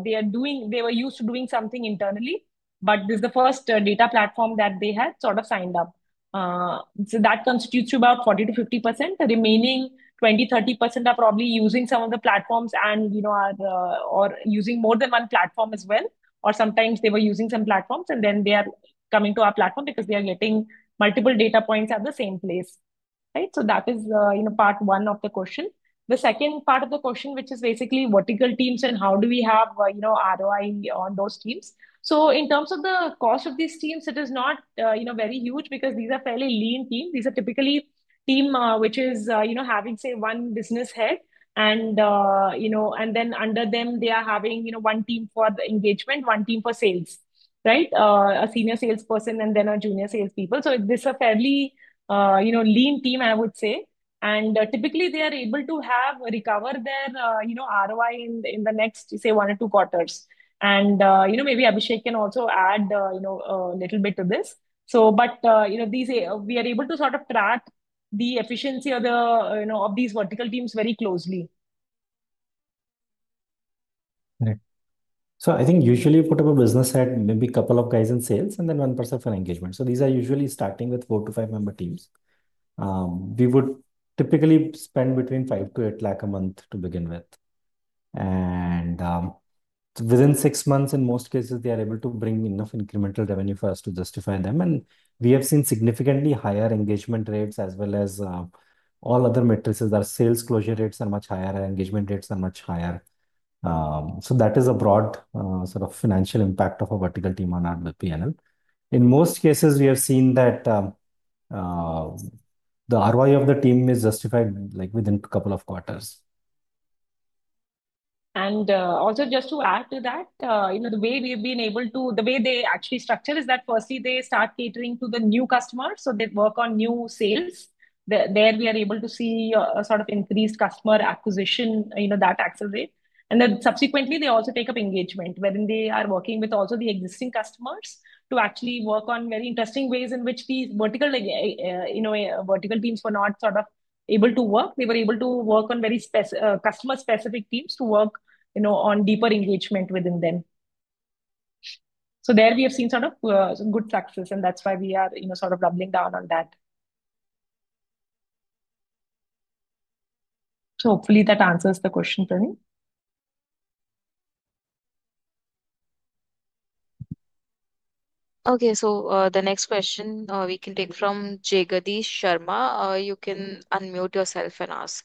They were used to doing something internally, but this is the first data platform that they had sort of signed up. That constitutes about 40-50%. The remaining 20-30% are probably using some of the platforms and are using more than one platform as well. Or sometimes they were using some platforms, and then they are coming to our platform because they are getting multiple data points at the same place. That is part one of the question. The second part of the question, which is basically vertical teams and how do we have ROI on those teams? In terms of the cost of these teams, it is not very huge because these are fairly lean teams. These are typically teams which are having, say, one business head. Under them, they are having one team for the engagement, one team for sales, right? A senior salesperson and then a junior salespeople. This is a fairly lean team, I would say. Typically, they are able to recover their ROI in the next, say, one or two quarters. Maybe Abhishek can also add a little bit to this. We are able to sort of track the efficiency of these vertical teams very closely. I think usually you put up a business head, maybe a couple of guys in sales, and then one person for engagement. These are usually starting with four- to five-member teams. We would typically spend between 500,000-800,000 a month to begin with. Within six months, in most cases, they are able to bring enough incremental revenue for us to justify them. We have seen significantly higher engagement rates as well as all other metrics. Our sales closure rates are much higher. Our engagement rates are much higher. That is a broad sort of financial impact of a vertical team on our P&L. In most cases, we have seen that the ROI of the team is justified within a couple of quarters. Also, just to add to that, the way we have been able to, the way they actually structure is that firstly, they start catering to the new customers. They work on new sales. There we are able to see a sort of increased customer acquisition that accelerates. Subsequently, they also take up engagement wherein they are working with also the existing customers to actually work on very interesting ways in which these vertical teams were not sort of able to work. They were able to work on very customer-specific teams to work on deeper engagement within them. There we have seen sort of good success, and that is why we are sort of doubling down on that. Hopefully, that answers the question, Praneeth. Okay. The next question we can take from Jagadeesh Sharma. You can unmute yourself and ask.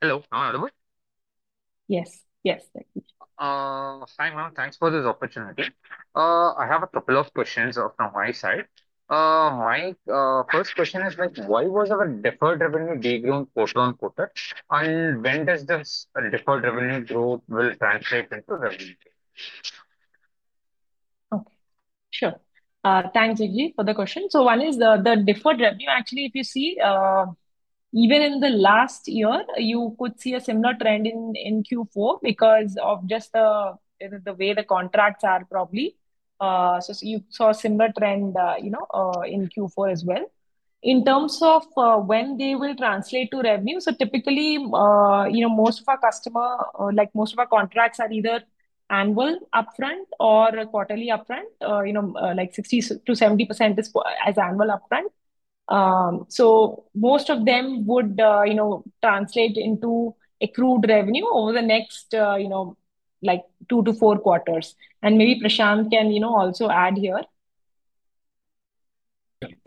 Hello. How are you? Yes. Yes. Thank you. Hi, ma'am. Thanks for this opportunity. I have a couple of questions from my side. My first question is, why was our deferred revenue day grown quarter on quarter? When does this deferred revenue growth translate into revenue? Okay. Sure. Thanks, Vithij, for the question. One is the deferred revenue. Actually, if you see, even in the last year, you could see a similar trend in Q4 because of just the way the contracts are probably. You saw a similar trend in Q4 as well. In terms of when they will translate to revenue, typically, most of our customers, most of our contracts are either annual upfront or quarterly upfront, like 60%-70% is as annual upfront. Most of them would translate into accrued revenue over the next two to four quarters. Maybe Prashant can also add here.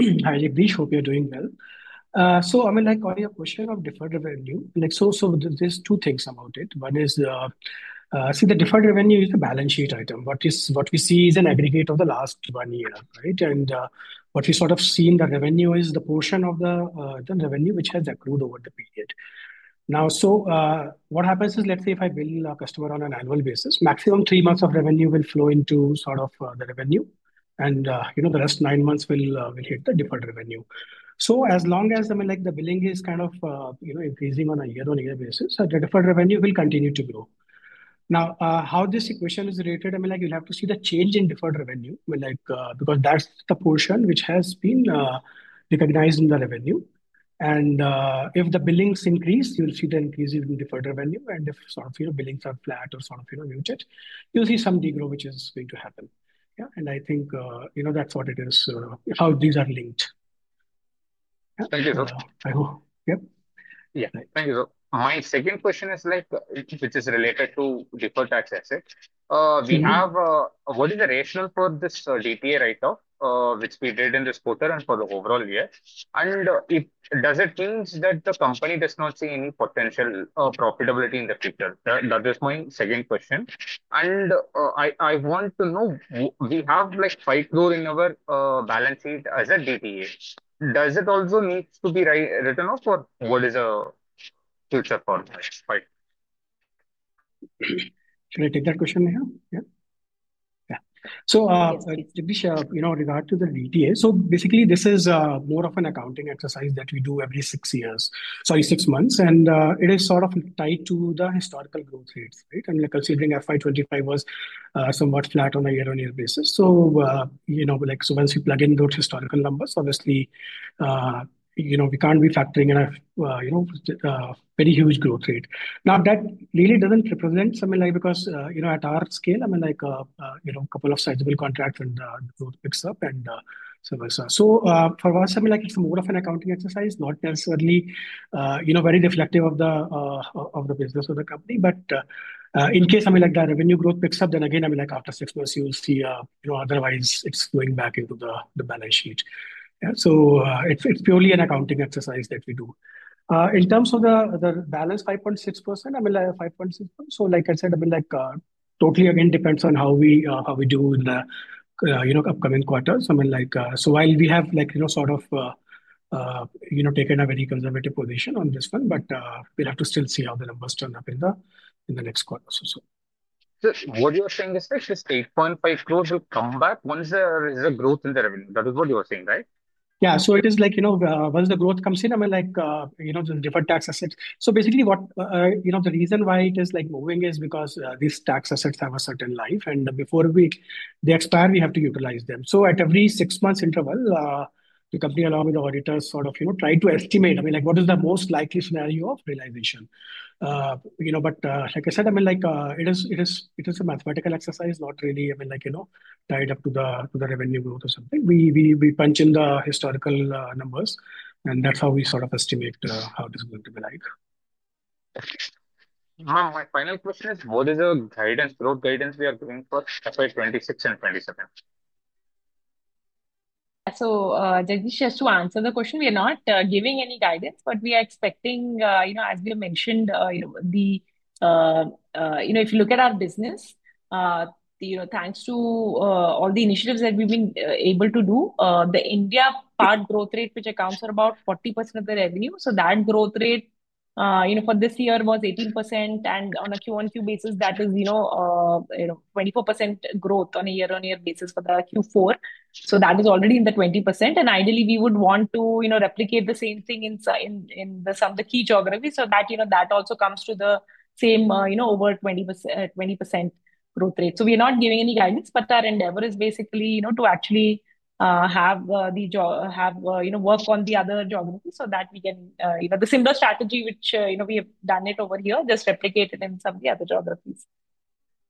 Hi, Jagadeesh. Hope you're doing well. I mean, like on your question of deferred revenue, there are two things about it. One is, see, the deferred revenue is a balance sheet item. What we see is an aggregate of the last one year, right? What we sort of see in the revenue is the portion of the revenue which has accrued over the period. Now, what happens is, let's say if I bill a customer on an annual basis, maximum three months of revenue will flow into sort of the revenue, and the last nine months will hit the deferred revenue. As long as the billing is kind of increasing on a year-on-year basis, the deferred revenue will continue to grow. Now, how this equation is related, I mean, you'll have to see the change in deferred revenue because that's the portion which has been recognized in the revenue. If the billings increase, you'll see the increase in deferred revenue. If your billings are flat or sort of muted, you'll see some degrowth which is going to happen. Yeah. I think that's what it is, how these are linked. Thank you, sir. I hope. Yeah. Yeah. Thank you, sir. My second question is, which is related to deferred tax asset. We have what is the rationale for this DTA write-off, which we did in this quarter and for the overall year? Does it mean that the company does not see any potential profitability in the future? That is my second question. I want to know, we have 5 crore in our balance sheet as a DTA. Does it also need to be written off, or what is the future for five? Can you take that question, Neha? Yeah. Yeah. So Jagadeesh, in regard to the DTA, basically, this is more of an accounting exercise that we do every six months. It is sort of tied to the historical growth rates, right? I mean, considering FY 2025 was somewhat flat on a year-on-year basis. Once you plug in those historical numbers, obviously, we can't be factoring in a very huge growth rate. That really doesn't represent something because at our scale, I mean, a couple of sizable contracts and the growth picks up and so forth. For us, it's more of an accounting exercise, not necessarily very reflective of the business of the company. In case the revenue growth picks up, then again, after six months, you'll see otherwise it's going back into the balance sheet. It's purely an accounting exercise that we do. In terms of the balance, 5.6%, I mean, 5.6%. Like I said, I mean, totally again depends on how we do in the upcoming quarters. While we have sort of taken a very conservative position on this one, we'll have to still see how the numbers turn up in the next quarter or so. What you're saying is, especially 8.5 crore will come back once there is a growth in the revenue. That is what you're saying, right? Yeah. It is like once the growth comes in, I mean, the deferred tax assets. Basically, the reason why it is moving is because these tax assets have a certain life. Before they expire, we have to utilize them. At every six-month interval, the company along with the auditors sort of try to estimate, I mean, what is the most likely scenario of realization. Like I said, it is a mathematical exercise, not really tied up to the revenue growth or something. We punch in the historical numbers, and that's how we sort of estimate how it is going to be like. Ma'am, my final question is, what is the guidance, growth guidance we are giving for FY2026 and FY2027? So Jagadeesh, just to answer the question, we are not giving any guidance, but we are expecting, as we have mentioned, if you look at our business, thanks to all the initiatives that we've been able to do, the India part growth rate, which accounts for about 40% of the revenue. That growth rate for this year was 18%. On a Q1, Q basis, that is 24% growth on a year-on-year basis for the Q4. That is already in the 20%. Ideally, we would want to replicate the same thing in some of the key geographies so that that also comes to the same over 20% growth rate. We are not giving any guidance, but our endeavor is basically to actually have work on the other geographies so that we can, the similar strategy which we have done it over here, just replicate it in some of the other geographies.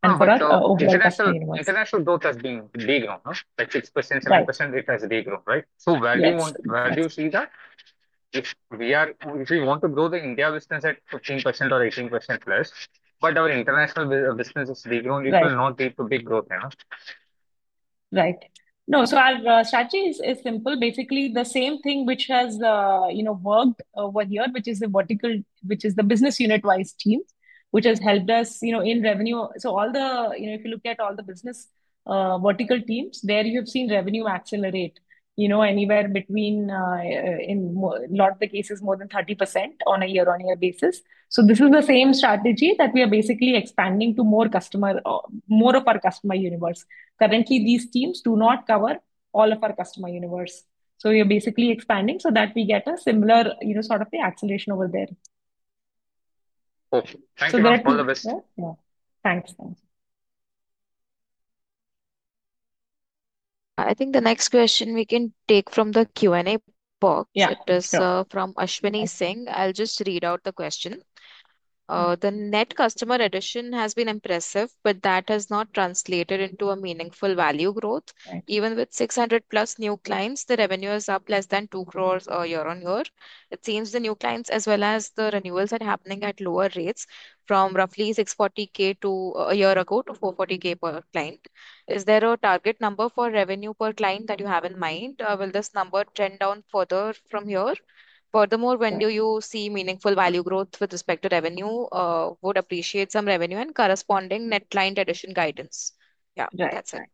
For us, overall, international growth has been day grown, like 6%-7% rate has day grown, right? Where do you see that? If we want to grow the India business at 15%-18% plus, but our international business is day grown, it will not lead to big growth here. Right. No, our strategy is simple. Basically, the same thing which has worked over here, which is the business unit-wise team, which has helped us in revenue. If you look at all the business vertical teams, there you have seen revenue accelerate anywhere between, in a lot of the cases, more than 30% on a year-on-year basis. This is the same strategy that we are basically expanding to more of our customer universe. Currently, these teams do not cover all of our customer universe. We are basically expanding so that we get a similar sort of acceleration over there. Thank you for all the best. Yeah. Thanks. Thanks. I think the next question we can take from the Q&A box. It is from Ashwini Singh. I'll just read out the question. The net customer addition has been impressive, but that has not translated into a meaningful value growth. Even with 600-plus new clients, the revenue is up less than 2 crore year-on-year. It seems the new clients, as well as the renewals that are happening at lower rates, from roughly 640,000 a year ago to 440,000 per client. Is there a target number for revenue per client that you have in mind? Will this number trend down further from here? Furthermore, when do you see meaningful value growth with respect to revenue? Would appreciate some revenue and corresponding net client addition guidance. Yeah. That's it.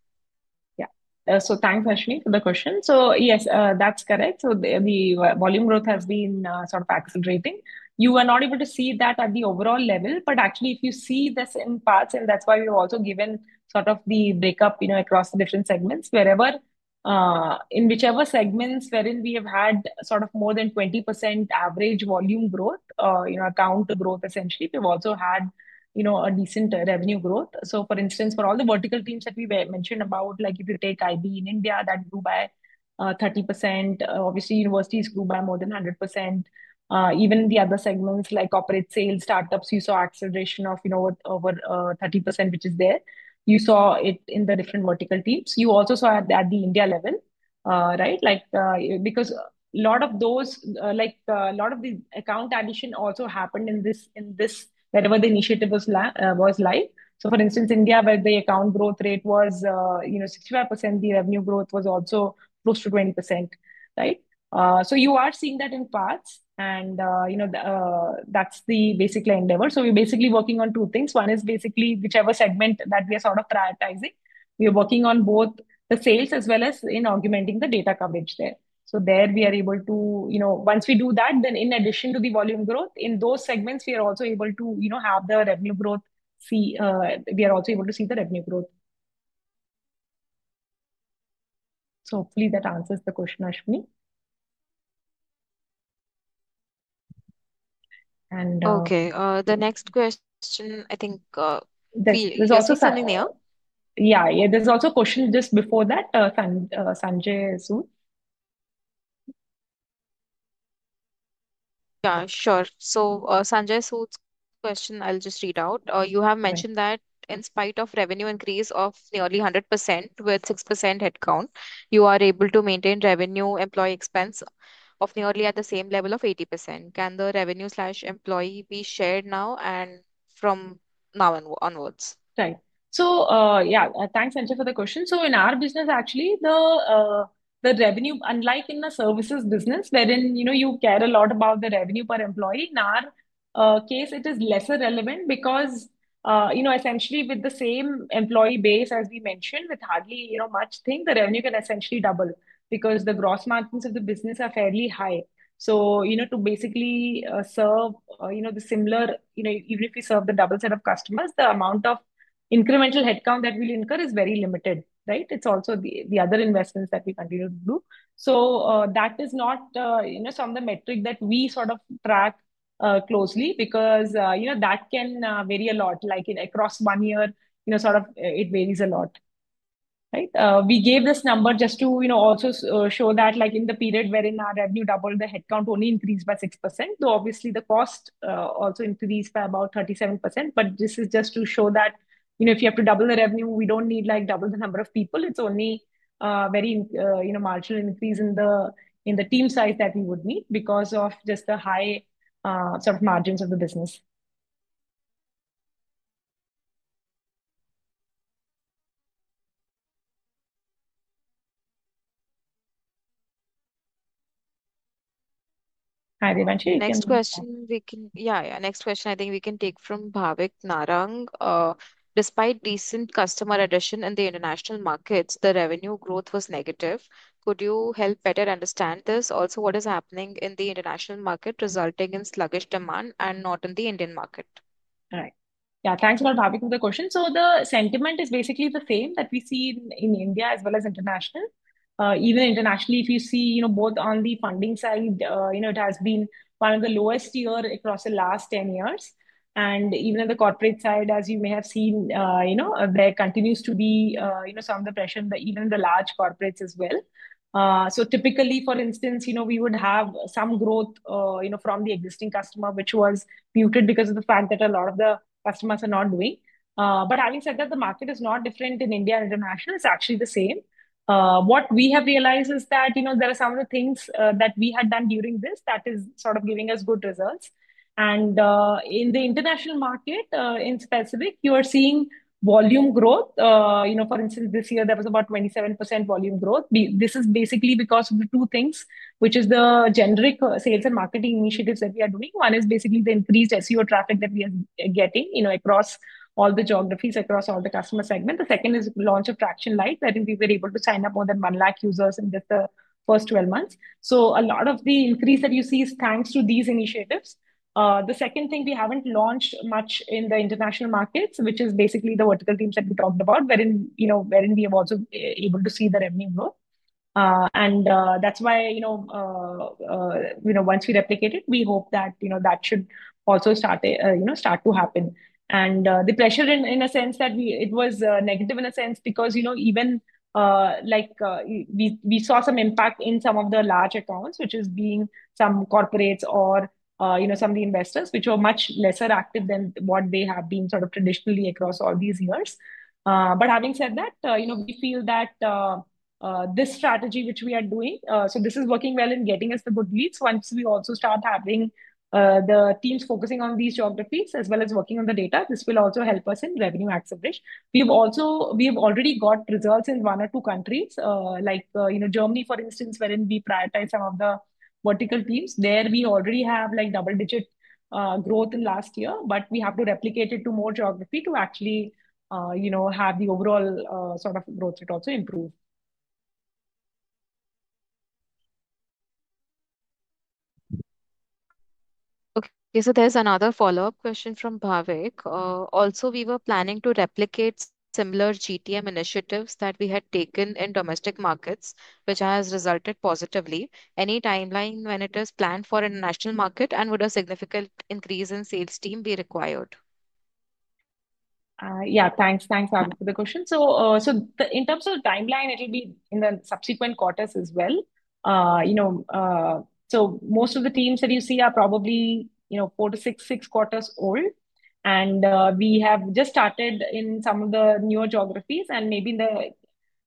Yeah. So thanks, Ashwini, for the question. So yes, that's correct. So the volume growth has been sort of accelerating. You are not able to see that at the overall level, but actually, if you see this in parts, and that's why we've also given sort of the breakup across the different segments, wherever, in whichever segments wherein we have had sort of more than 20% average volume growth, account to growth, essentially, we've also had a decent revenue growth. For instance, for all the vertical teams that we mentioned about, like if you take IB in India, that grew by 30%. Obviously, universities grew by more than 100%. Even the other segments, like corporate sales, startups, you saw acceleration of over 30%, which is there. You saw it in the different vertical teams. You also saw it at the India level, right? Because a lot of those, a lot of the account addition also happened in this, whatever the initiative was like. For instance, India, where the account growth rate was 65%, the revenue growth was also close to 20%, right? You are seeing that in parts, and that's the basic endeavor. We're basically working on two things. One is basically whichever segment that we are sort of prioritizing. We are working on both the sales as well as in augmenting the data coverage there. There we are able to, once we do that, then in addition to the volume growth, in those segments, we are also able to have the revenue growth. We are also able to see the revenue growth. Hopefully, that answers the question, Ashwini? Okay. The next question, I think there's also something there. Yeah. There's also a question just before that, Sanjay Sood. Yeah. Sure. Sanjay Sood's question, I'll just read out. You have mentioned that in spite of revenue increase of nearly 100% with 6% headcount, you are able to maintain revenue-employee expense of nearly at the same level of 80%. Can the revenue/employee be shared now and from now onwards? Right. Yeah, thanks, Sanjay, for the question. In our business, actually, the revenue, unlike in the services business, wherein you care a lot about the revenue per employee, in our case, it is less relevant because essentially, with the same employee base as we mentioned, with hardly much thing, the revenue can essentially double because the gross margins of the business are fairly high. To basically serve the similar, even if we serve the double set of customers, the amount of incremental headcount that we'll incur is very limited, right? It's also the other investments that we continue to do. That is not some of the metric that we sort of track closely because that can vary a lot. Like across one year, sort of it varies a lot, right? We gave this number just to also show that in the period wherein our revenue doubled, the headcount only increased by 6%. Though obviously, the cost also increased by about 37%. This is just to show that if you have to double the revenue, we do not need to double the number of people. It is only a very marginal increase in the team size that we would need because of just the high sort of margins of the business. Hi, Devanshi. Next question. Yeah. Next question, I think we can take from Bhavik Narang. Despite decent customer addition in the international markets, the revenue growth was negative. Could you help better understand this? Also, what is happening in the international market resulting in sluggish demand and not in the Indian market? Right. Yeah. Thanks for the question. The sentiment is basically the same that we see in India as well as international. Even internationally, if you see both on the funding side, it has been one of the lowest years across the last 10 years. Even on the corporate side, as you may have seen, there continues to be some of the pressure, even in the large corporates as well. Typically, for instance, we would have some growth from the existing customer, which was muted because of the fact that a lot of the customers are not doing. Having said that, the market is not different in India and international. It's actually the same. What we have realized is that there are some of the things that we had done during this that is sort of giving us good results. In the international market, in specific, you are seeing volume growth. For instance, this year, there was about 27% volume growth. This is basically because of two things, which is the generic sales and marketing initiatives that we are doing. One is basically the increased SEO traffic that we are getting across all the geographies, across all the customer segments. The second is launch of Tracxn Light. That is, we were able to sign up more than 100,000 users in just the first 12 months. A lot of the increase that you see is thanks to these initiatives. The second thing, we have not launched much in the international markets, which is basically the vertical teams that we talked about, wherein we are also able to see the revenue growth. That is why once we replicate it, we hope that that should also start to happen. The pressure, in a sense, that it was negative in a sense because even we saw some impact in some of the large accounts, which is being some corporates or some of the investors, which are much less active than what they have been sort of traditionally across all these years. Having said that, we feel that this strategy, which we are doing, this is working well in getting us the good leads. Once we also start having the teams focusing on these geographies as well as working on the data, this will also help us in revenue acceleration. We have already got results in one or two countries, like Germany, for instance, wherein we prioritize some of the vertical teams. There we already have double-digit growth in last year, but we have to replicate it to more geography to actually have the overall sort of growth rate also improve. Okay. There is another follow-up question from Bhavik. Also, we were planning to replicate similar GTM initiatives that we had taken in domestic markets, which has resulted positively. Any timeline when it is planned for international market, and would a significant increase in sales team be required? Yeah. Thanks. Thanks for the question. In terms of timeline, it will be in the subsequent quarters as well. Most of the teams that you see are probably four to six quarters old. We have just started in some of the newer geographies. Maybe in the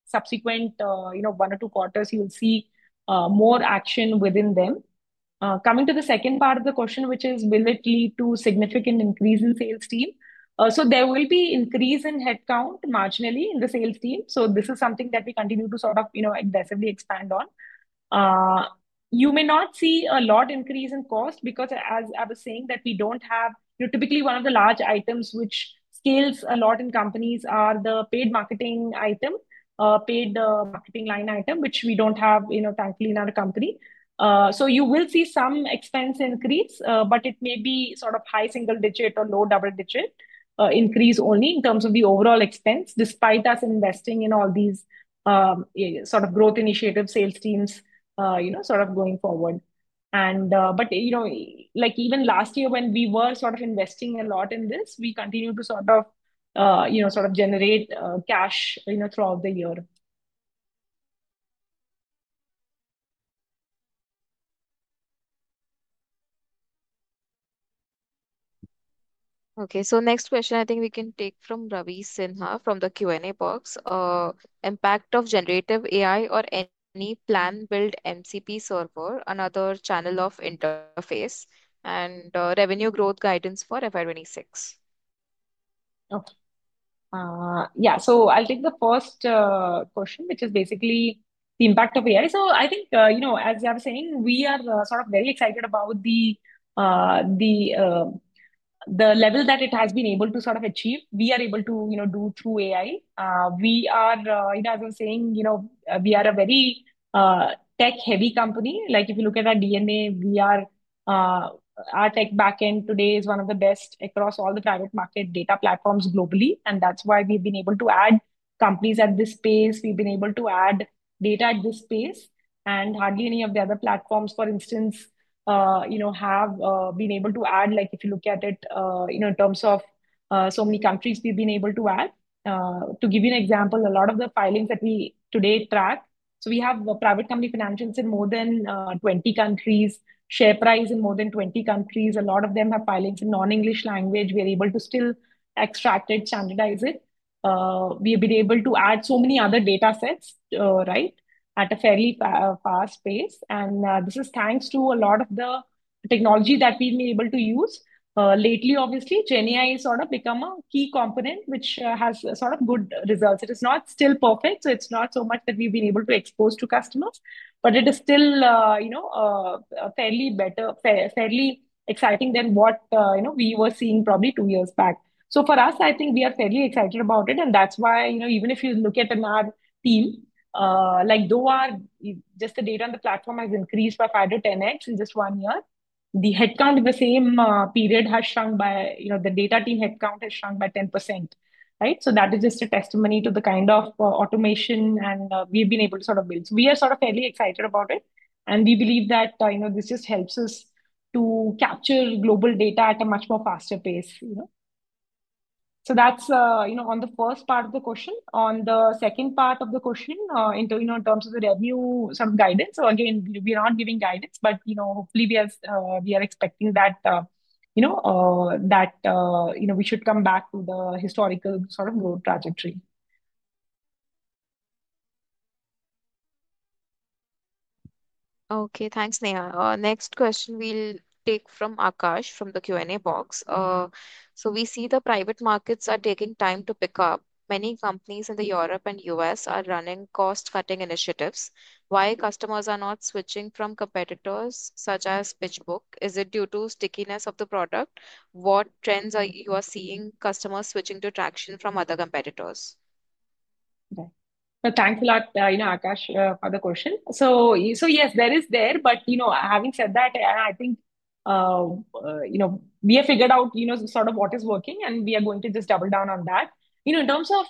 subsequent one or two quarters, you will see more action within them. Coming to the second part of the question, which is, will it lead to significant increase in sales team? There will be increase in headcount marginally in the sales team. This is something that we continue to sort of aggressively expand on. You may not see a lot increase in cost because, as I was saying, we do not have typically one of the large items which scales a lot in companies, the paid marketing item, paid marketing line item, which we do not have thankfully in our company. You will see some expense increase, but it may be sort of high single-digit or low double-digit increase only in terms of the overall expense, despite us investing in all these sort of growth initiatives, sales teams sort of going forward. But even last year, when we were sort of investing a lot in this, we continued to sort of generate cash throughout the year. Okay. Next question, I think we can take from Ravi Sinha from the Q&A box. Impact of generative AI or any planned build MCP server, another channel of interface, and revenue growth guidance for FY26? Okay. Yeah. I'll take the first question, which is basically the impact of AI. I think, as you are saying, we are sort of very excited about the level that it has been able to sort of achieve. We are able to do through AI. We are, as I was saying, we are a very tech-heavy company. If you look at our DNA, our tech backend today is one of the best across all the private market data platforms globally. That is why we have been able to add companies at this pace. We have been able to add data at this pace. Hardly any of the other platforms, for instance, have been able to add, if you look at it in terms of so many countries we have been able to add. To give you an example, a lot of the filings that we today track. We have private company financials in more than 20 countries, share price in more than 20 countries. A lot of them have filings in non-English language. We are able to still extract it, standardize it. We have been able to add so many other data sets, right, at a fairly fast pace. This is thanks to a lot of the technology that we have been able to use. Lately, obviously, GenAI has sort of become a key component, which has sort of good results. It is not still perfect, so it's not so much that we've been able to expose to customers, but it is still fairly exciting than what we were seeing probably two years back. For us, I think we are fairly excited about it. That is why even if you look at another team, though just the data on the platform has increased by 5-10X in just one year, the headcount in the same period has shrunk by the data team headcount has shrunk by 10%, right? That is just a testimony to the kind of automation we've been able to sort of build. We are sort of fairly excited about it. We believe that this just helps us to capture global data at a much more faster pace. That is on the first part of the question. On the second part of the question, in terms of the revenue, some guidance. Again, we are not giving guidance, but hopefully, we are expecting that we should come back to the historical sort of growth trajectory. Okay. Thanks, Neha. Next question we'll take from Akash from the Q&A box. We see the private markets are taking time to pick up. Many companies in Europe and the U.S. are running cost-cutting initiatives. Why are customers not switching from competitors such as PitchBook? Is it due to stickiness of the product? What trends are you seeing with customers switching to Tracxn from other competitors? Thanks a lot, Akash, for the question. Yes, there is that. Having said that, I think we have figured out sort of what is working, and we are going to just double down on that. In terms of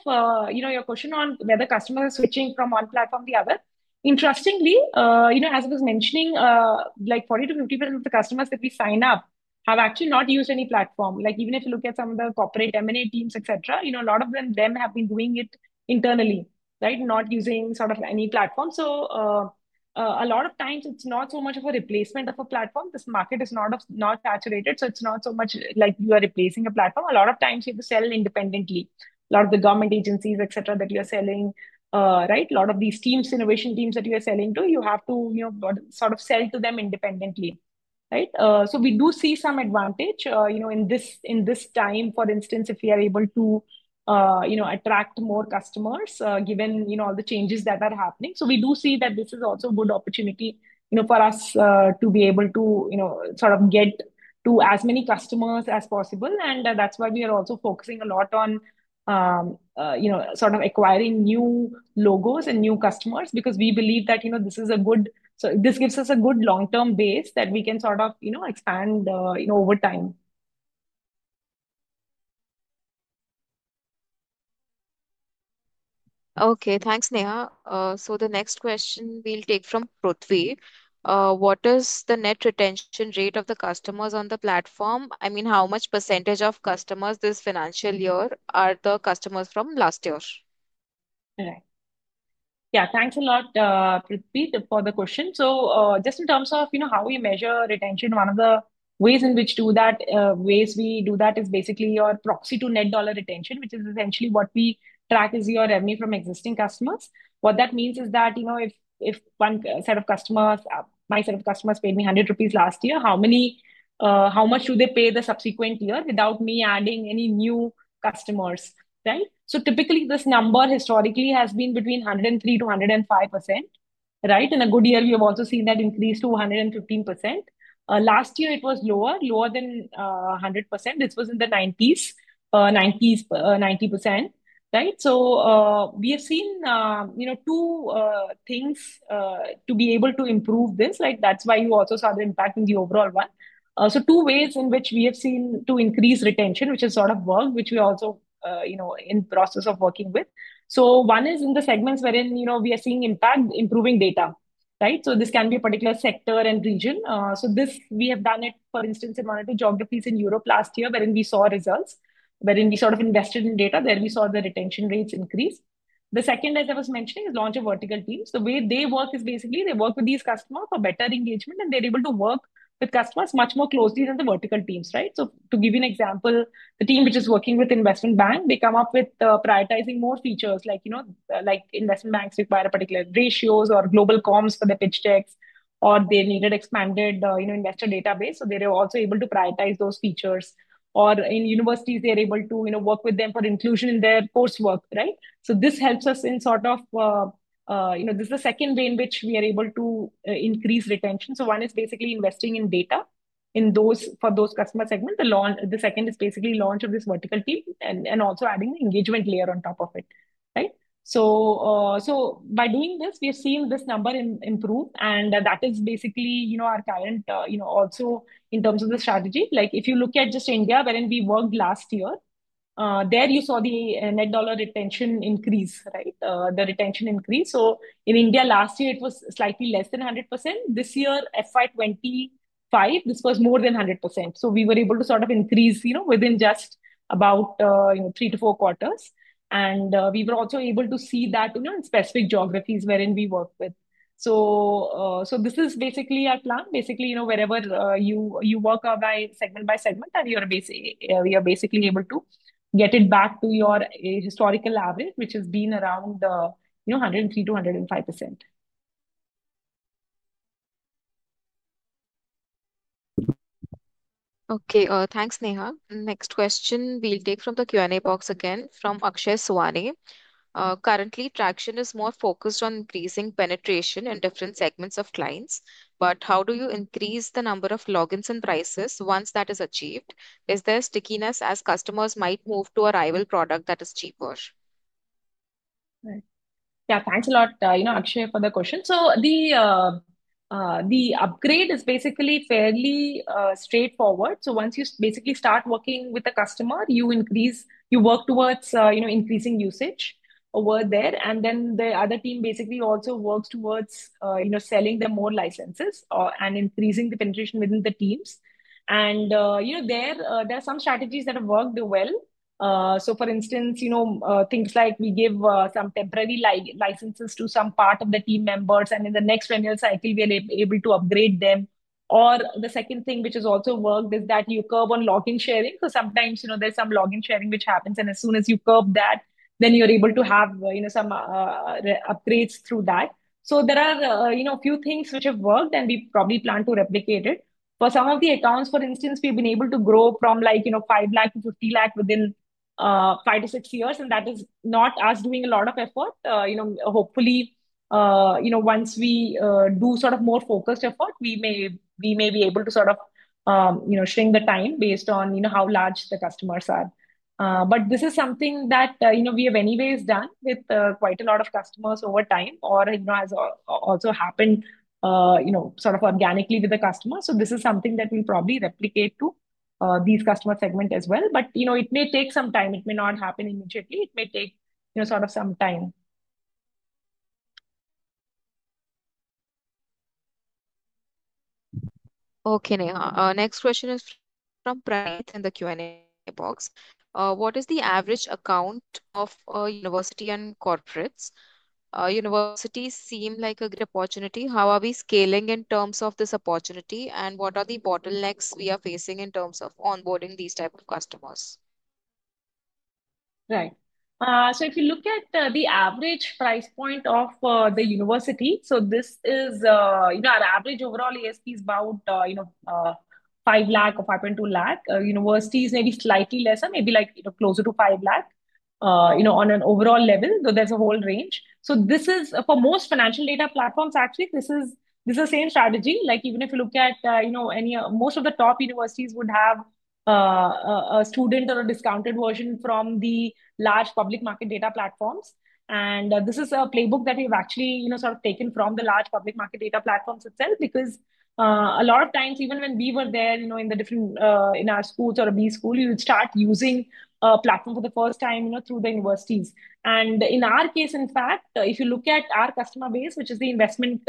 your question on whether customers are switching from one platform to the other, interestingly, as I was mentioning, 40-50% of the customers that we sign up have actually not used any platform. Even if you look at some of the corporate M&A teams, etc., a lot of them have been doing it internally, right, not using sort of any platform. A lot of times, it is not so much of a replacement of a platform. This market is not saturated, so it is not so much like you are replacing a platform. A lot of times, you have to sell independently. A lot of the government agencies, etc., that you are selling, right, a lot of these innovation teams that you are selling to, you have to sort of sell to them independently, right? We do see some advantage in this time. For instance, if we are able to attract more customers, given all the changes that are happening. We do see that this is also a good opportunity for us to be able to sort of get to as many customers as possible. That is why we are also focusing a lot on sort of acquiring new logos and new customers because we believe that this is a good—this gives us a good long-term base that we can sort of expand over time. Okay. Thanks, Neha. The next question we will take from Prithvi. What is the net retention rate of the customers on the platform? I mean, how much % of customers this financial year are the customers from last year? Right. Yeah. Thanks a lot, Prithvi, for the question. Just in terms of how we measure retention, one of the ways in which we do that is basically your proxy to net dollar retention, which is essentially what we track as your revenue from existing customers. What that means is that if one set of customers, my set of customers, paid me 100 rupees last year, how much do they pay the subsequent year without me adding any new customers, right? Typically, this number historically has been between 103%-105%, right? In a good year, we have also seen that increase to 115%. Last year, it was lower, lower than 100%. This was in the 90%, right? We have seen two things to be able to improve this. That is why you also saw the impact in the overall one. Two ways in which we have seen to increase retention, which has sort of worked, which we are also in the process of working with. One is in the segments wherein we are seeing impact, improving data, right? This can be a particular sector and region. We have done it, for instance, in one of the geographies in Europe last year wherein we saw results, wherein we sort of invested in data, where we saw the retention rates increase. The second, as I was mentioning, is launching vertical teams. The way they work is basically they work with these customers for better engagement, and they are able to work with customers much more closely than the vertical teams, right? To give you an example, the team which is working with investment bank, they come up with prioritizing more features. Investment banks require particular ratios or global comms for the pitch decks, or they needed expanded investor database. They are also able to prioritize those features. In universities, they are able to work with them for inclusion in their coursework, right? This helps us in sort of—this is the second way in which we are able to increase retention. One is basically investing in data for those customer segments. The second is basically launching this vertical team and also adding the engagement layer on top of it, right? By doing this, we have seen this number improve. That is basically our current also in terms of the strategy. If you look at just India wherein we worked last year, there you saw the net dollar retention increase, right? The retention increase. In India last year, it was slightly less than 100%. This year, FY25, this was more than 100%. We were able to sort of increase within just about three to four quarters. We were also able to see that in specific geographies wherein we worked with. This is basically our plan. Basically, wherever you work segment by segment, then you are basically able to get it back to your historical average, which has been around 103%-105%. Okay. Thanks, Neha. Next question we'll take from the Q&A box again from Akshay Sowani. Currently, Tracxn is more focused on increasing penetration in different segments of clients. How do you increase the number of logins and prices once that is achieved? Is there stickiness as customers might move to a rival product that is cheaper? Right. Yeah. Thanks a lot, Akshay, for the question. The upgrade is basically fairly straightforward. Once you basically start working with the customer, you work towards increasing usage over there. The other team basically also works towards selling them more licenses and increasing the penetration within the teams. There are some strategies that have worked well. For instance, things like we give some temporary licenses to some part of the team members. In the next renewal cycle, we are able to upgrade them. The second thing which has also worked is that you curb on login sharing. Sometimes there is some login sharing which happens. As soon as you curb that, then you are able to have some upgrades through that. There are a few things which have worked, and we probably plan to replicate it. For some of the accounts, for instance, we've been able to grow from 500,000 to 5,000,000 within five to six years. That is not us doing a lot of effort. Hopefully, once we do sort of more focused effort, we may be able to sort of shrink the time based on how large the customers are. This is something that we have anyways done with quite a lot of customers over time or has also happened sort of organically with the customers. This is something that we'll probably replicate to these customer segments as well. It may take some time. It may not happen immediately. It may take sort of some time. Okay, Neha. Next question is from Praneeth in the Q&A box. What is the average account of a university and corporates? Universities seem like a good opportunity. How are we scaling in terms of this opportunity? What are the bottlenecks we are facing in terms of onboarding these types of customers? Right. If you look at the average price point of the university, this is our average overall ARPU, it is about 500,000 or 520,000. Universities may be slightly lesser, maybe closer to 500,000 on an overall level. There is a whole range. For most financial data platforms, actually, this is the same strategy. If you look at any of most of the top universities, they would have a student or a discounted version from the large public market data platforms. This is a playbook that we have actually sort of taken from the large public market data platforms itself because a lot of times, even when we were there in our schools or B school, you would start using a platform for the first time through the universities. In our case, in fact, if you look at our customer base, which is the investment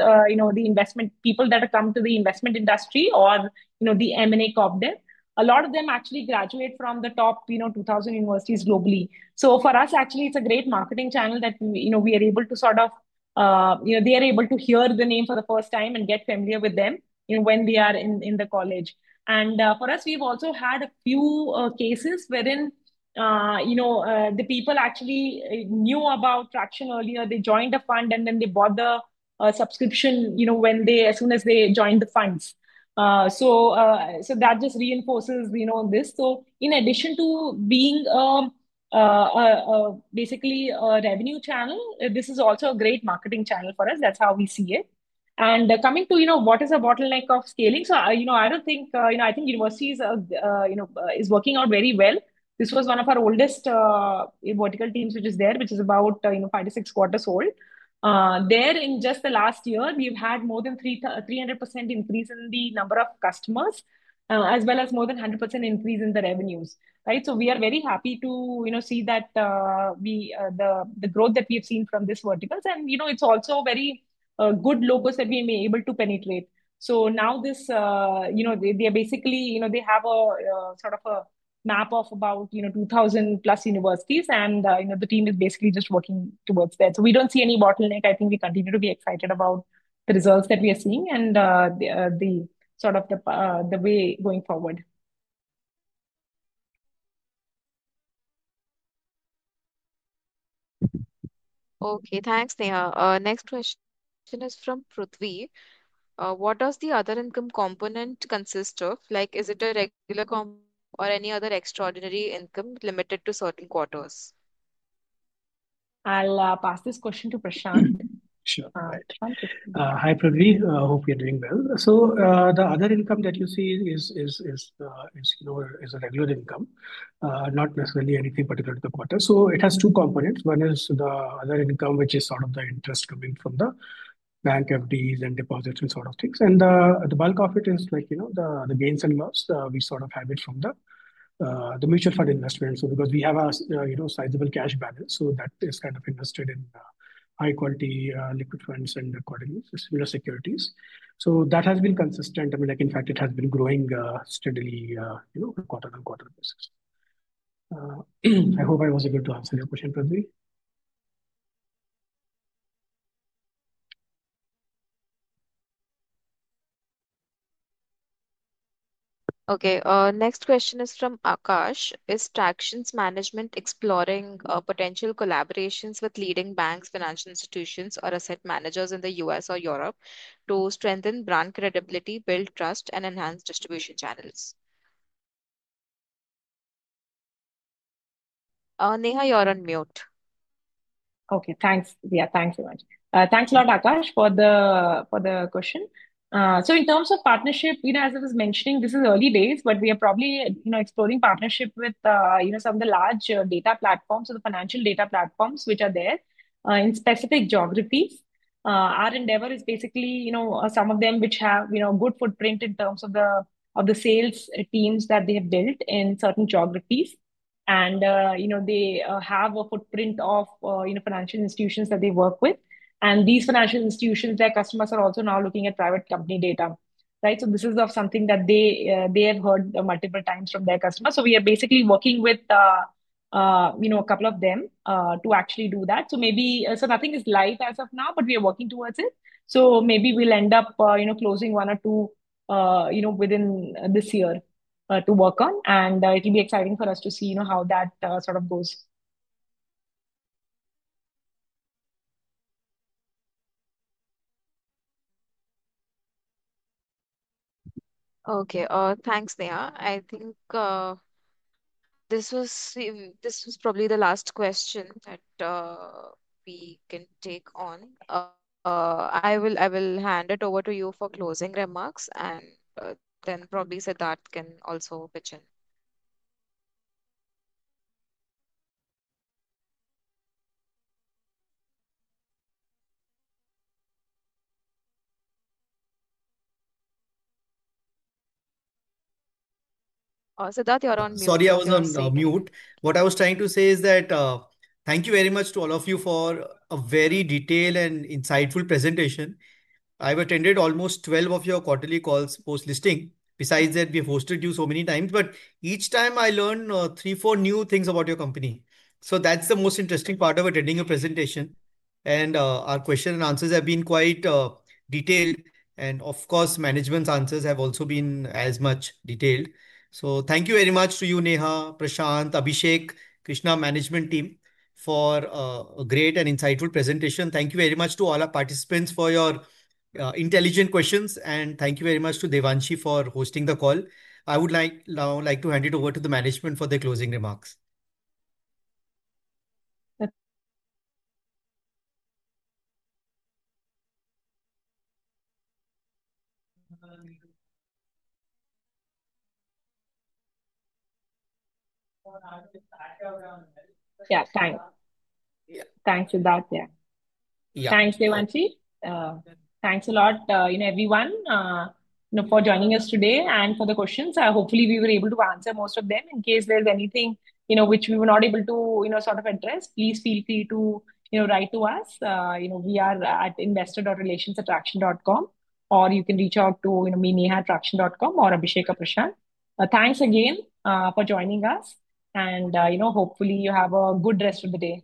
people that have come to the investment industry or the M&A company, a lot of them actually graduate from the top 2,000 universities globally. For us, actually, it is a great marketing channel that we are able to sort of, they are able to hear the name for the first time and get familiar with them when they are in the college. For us, we have also had a few cases wherein the people actually knew about Tracxn earlier. They joined a fund, and then they bought the subscription as soon as they joined the funds. That just reinforces this. In addition to being basically a revenue channel, this is also a great marketing channel for us. That is how we see it. Coming to what is a bottleneck of scaling, I do not think, I think universities are working out very well. This was one of our oldest vertical teams which is there, which is about five to six quarters old. There, in just the last year, we have had more than 300% increase in the number of customers as well as more than 100% increase in the revenues, right? We are very happy to see the growth that we have seen from this vertical. It is also very good logos that we may be able to penetrate. Now they basically have sort of a map of about 2,000+ universities, and the team is basically just working towards that. We do not see any bottleneck. I think we continue to be excited about the results that we are seeing and sort of the way going forward. Okay. Thanks, Neha. Next question is from Prithvi. What does the other income component consist of? Is it a regular comp or any other extraordinary income limited to certain quarters? I'll pass this question to Prashant. Sure. Hi, Prithvi. I hope you're doing well. The other income that you see is a regular income, not necessarily anything particular to the quarter. It has two components. One is the other income, which is sort of the interest coming from the bank FDs and deposits and sort of things. The bulk of it is the gains and loss we sort of have from the mutual fund investment because we have a sizable cash balance. That is kind of invested in high-quality liquid funds and equity securities. That has been consistent. I mean, in fact, it has been growing steadily on a quarter-on-quarter basis. I hope I was able to answer your question, Prithvi. Okay. Next question is from Akash. Is Tracxn's management exploring potential collaborations with leading banks, financial institutions, or asset managers in the U.S. or Europe to strengthen brand credibility, build trust, and enhance distribution channels? Neha, you're on mute. Okay. Thanks. Yeah. Thanks so much. Thanks a lot, Akash, for the question. In terms of partnership, as I was mentioning, this is early days, but we are probably exploring partnership with some of the large data platforms or the financial data platforms which are there in specific geographies. Our endeavor is basically some of them which have a good footprint in terms of the sales teams that they have built in certain geographies. They have a footprint of financial institutions that they work with. These financial institutions, their customers are also now looking at private company data, right? This is something that they have heard multiple times from their customers. We are basically working with a couple of them to actually do that. Nothing is live as of now, but we are working towards it. Maybe we will end up closing one or two within this year to work on. It'll be exciting for us to see how that sort of goes. Okay. Thanks, Neha. I think this was probably the last question that we can take on. I will hand it over to you for closing remarks, and then probably Sidharth can also pitch in. Sidharth, you're on mute. Sorry, I was on mute. What I was trying to say is that thank you very much to all of you for a very detailed and insightful presentation. I've attended almost 12 of your quarterly calls post-listing. Besides that, we've hosted you so many times, but each time I learned three, four new things about your company. That's the most interesting part of attending a presentation. Our questions and answers have been quite detailed. Of course, management's answers have also been as much detailed. Thank you very much to you, Neha, Prashant, Abhishek, Krishna, management team, for a great and insightful presentation. Thank you very much to all our participants for your intelligent questions. Thank you very much to Devanshi for hosting the call. I would now like to hand it over to the management for the closing remarks. Yeah. Thanks. Thanks, Sidharth. Yeah. Thanks, Devanshi. Thanks a lot, everyone, for joining us today and for the questions. Hopefully, we were able to answer most of them. In case there's anything which we were not able to sort of address, please feel free to write to us. We are at investor.relations@tracxn.com, or you can reach out to me, neha@tracxn.com, or Abhishek or Prashant. Thanks again for joining us. Hopefully, you have a good rest of the day.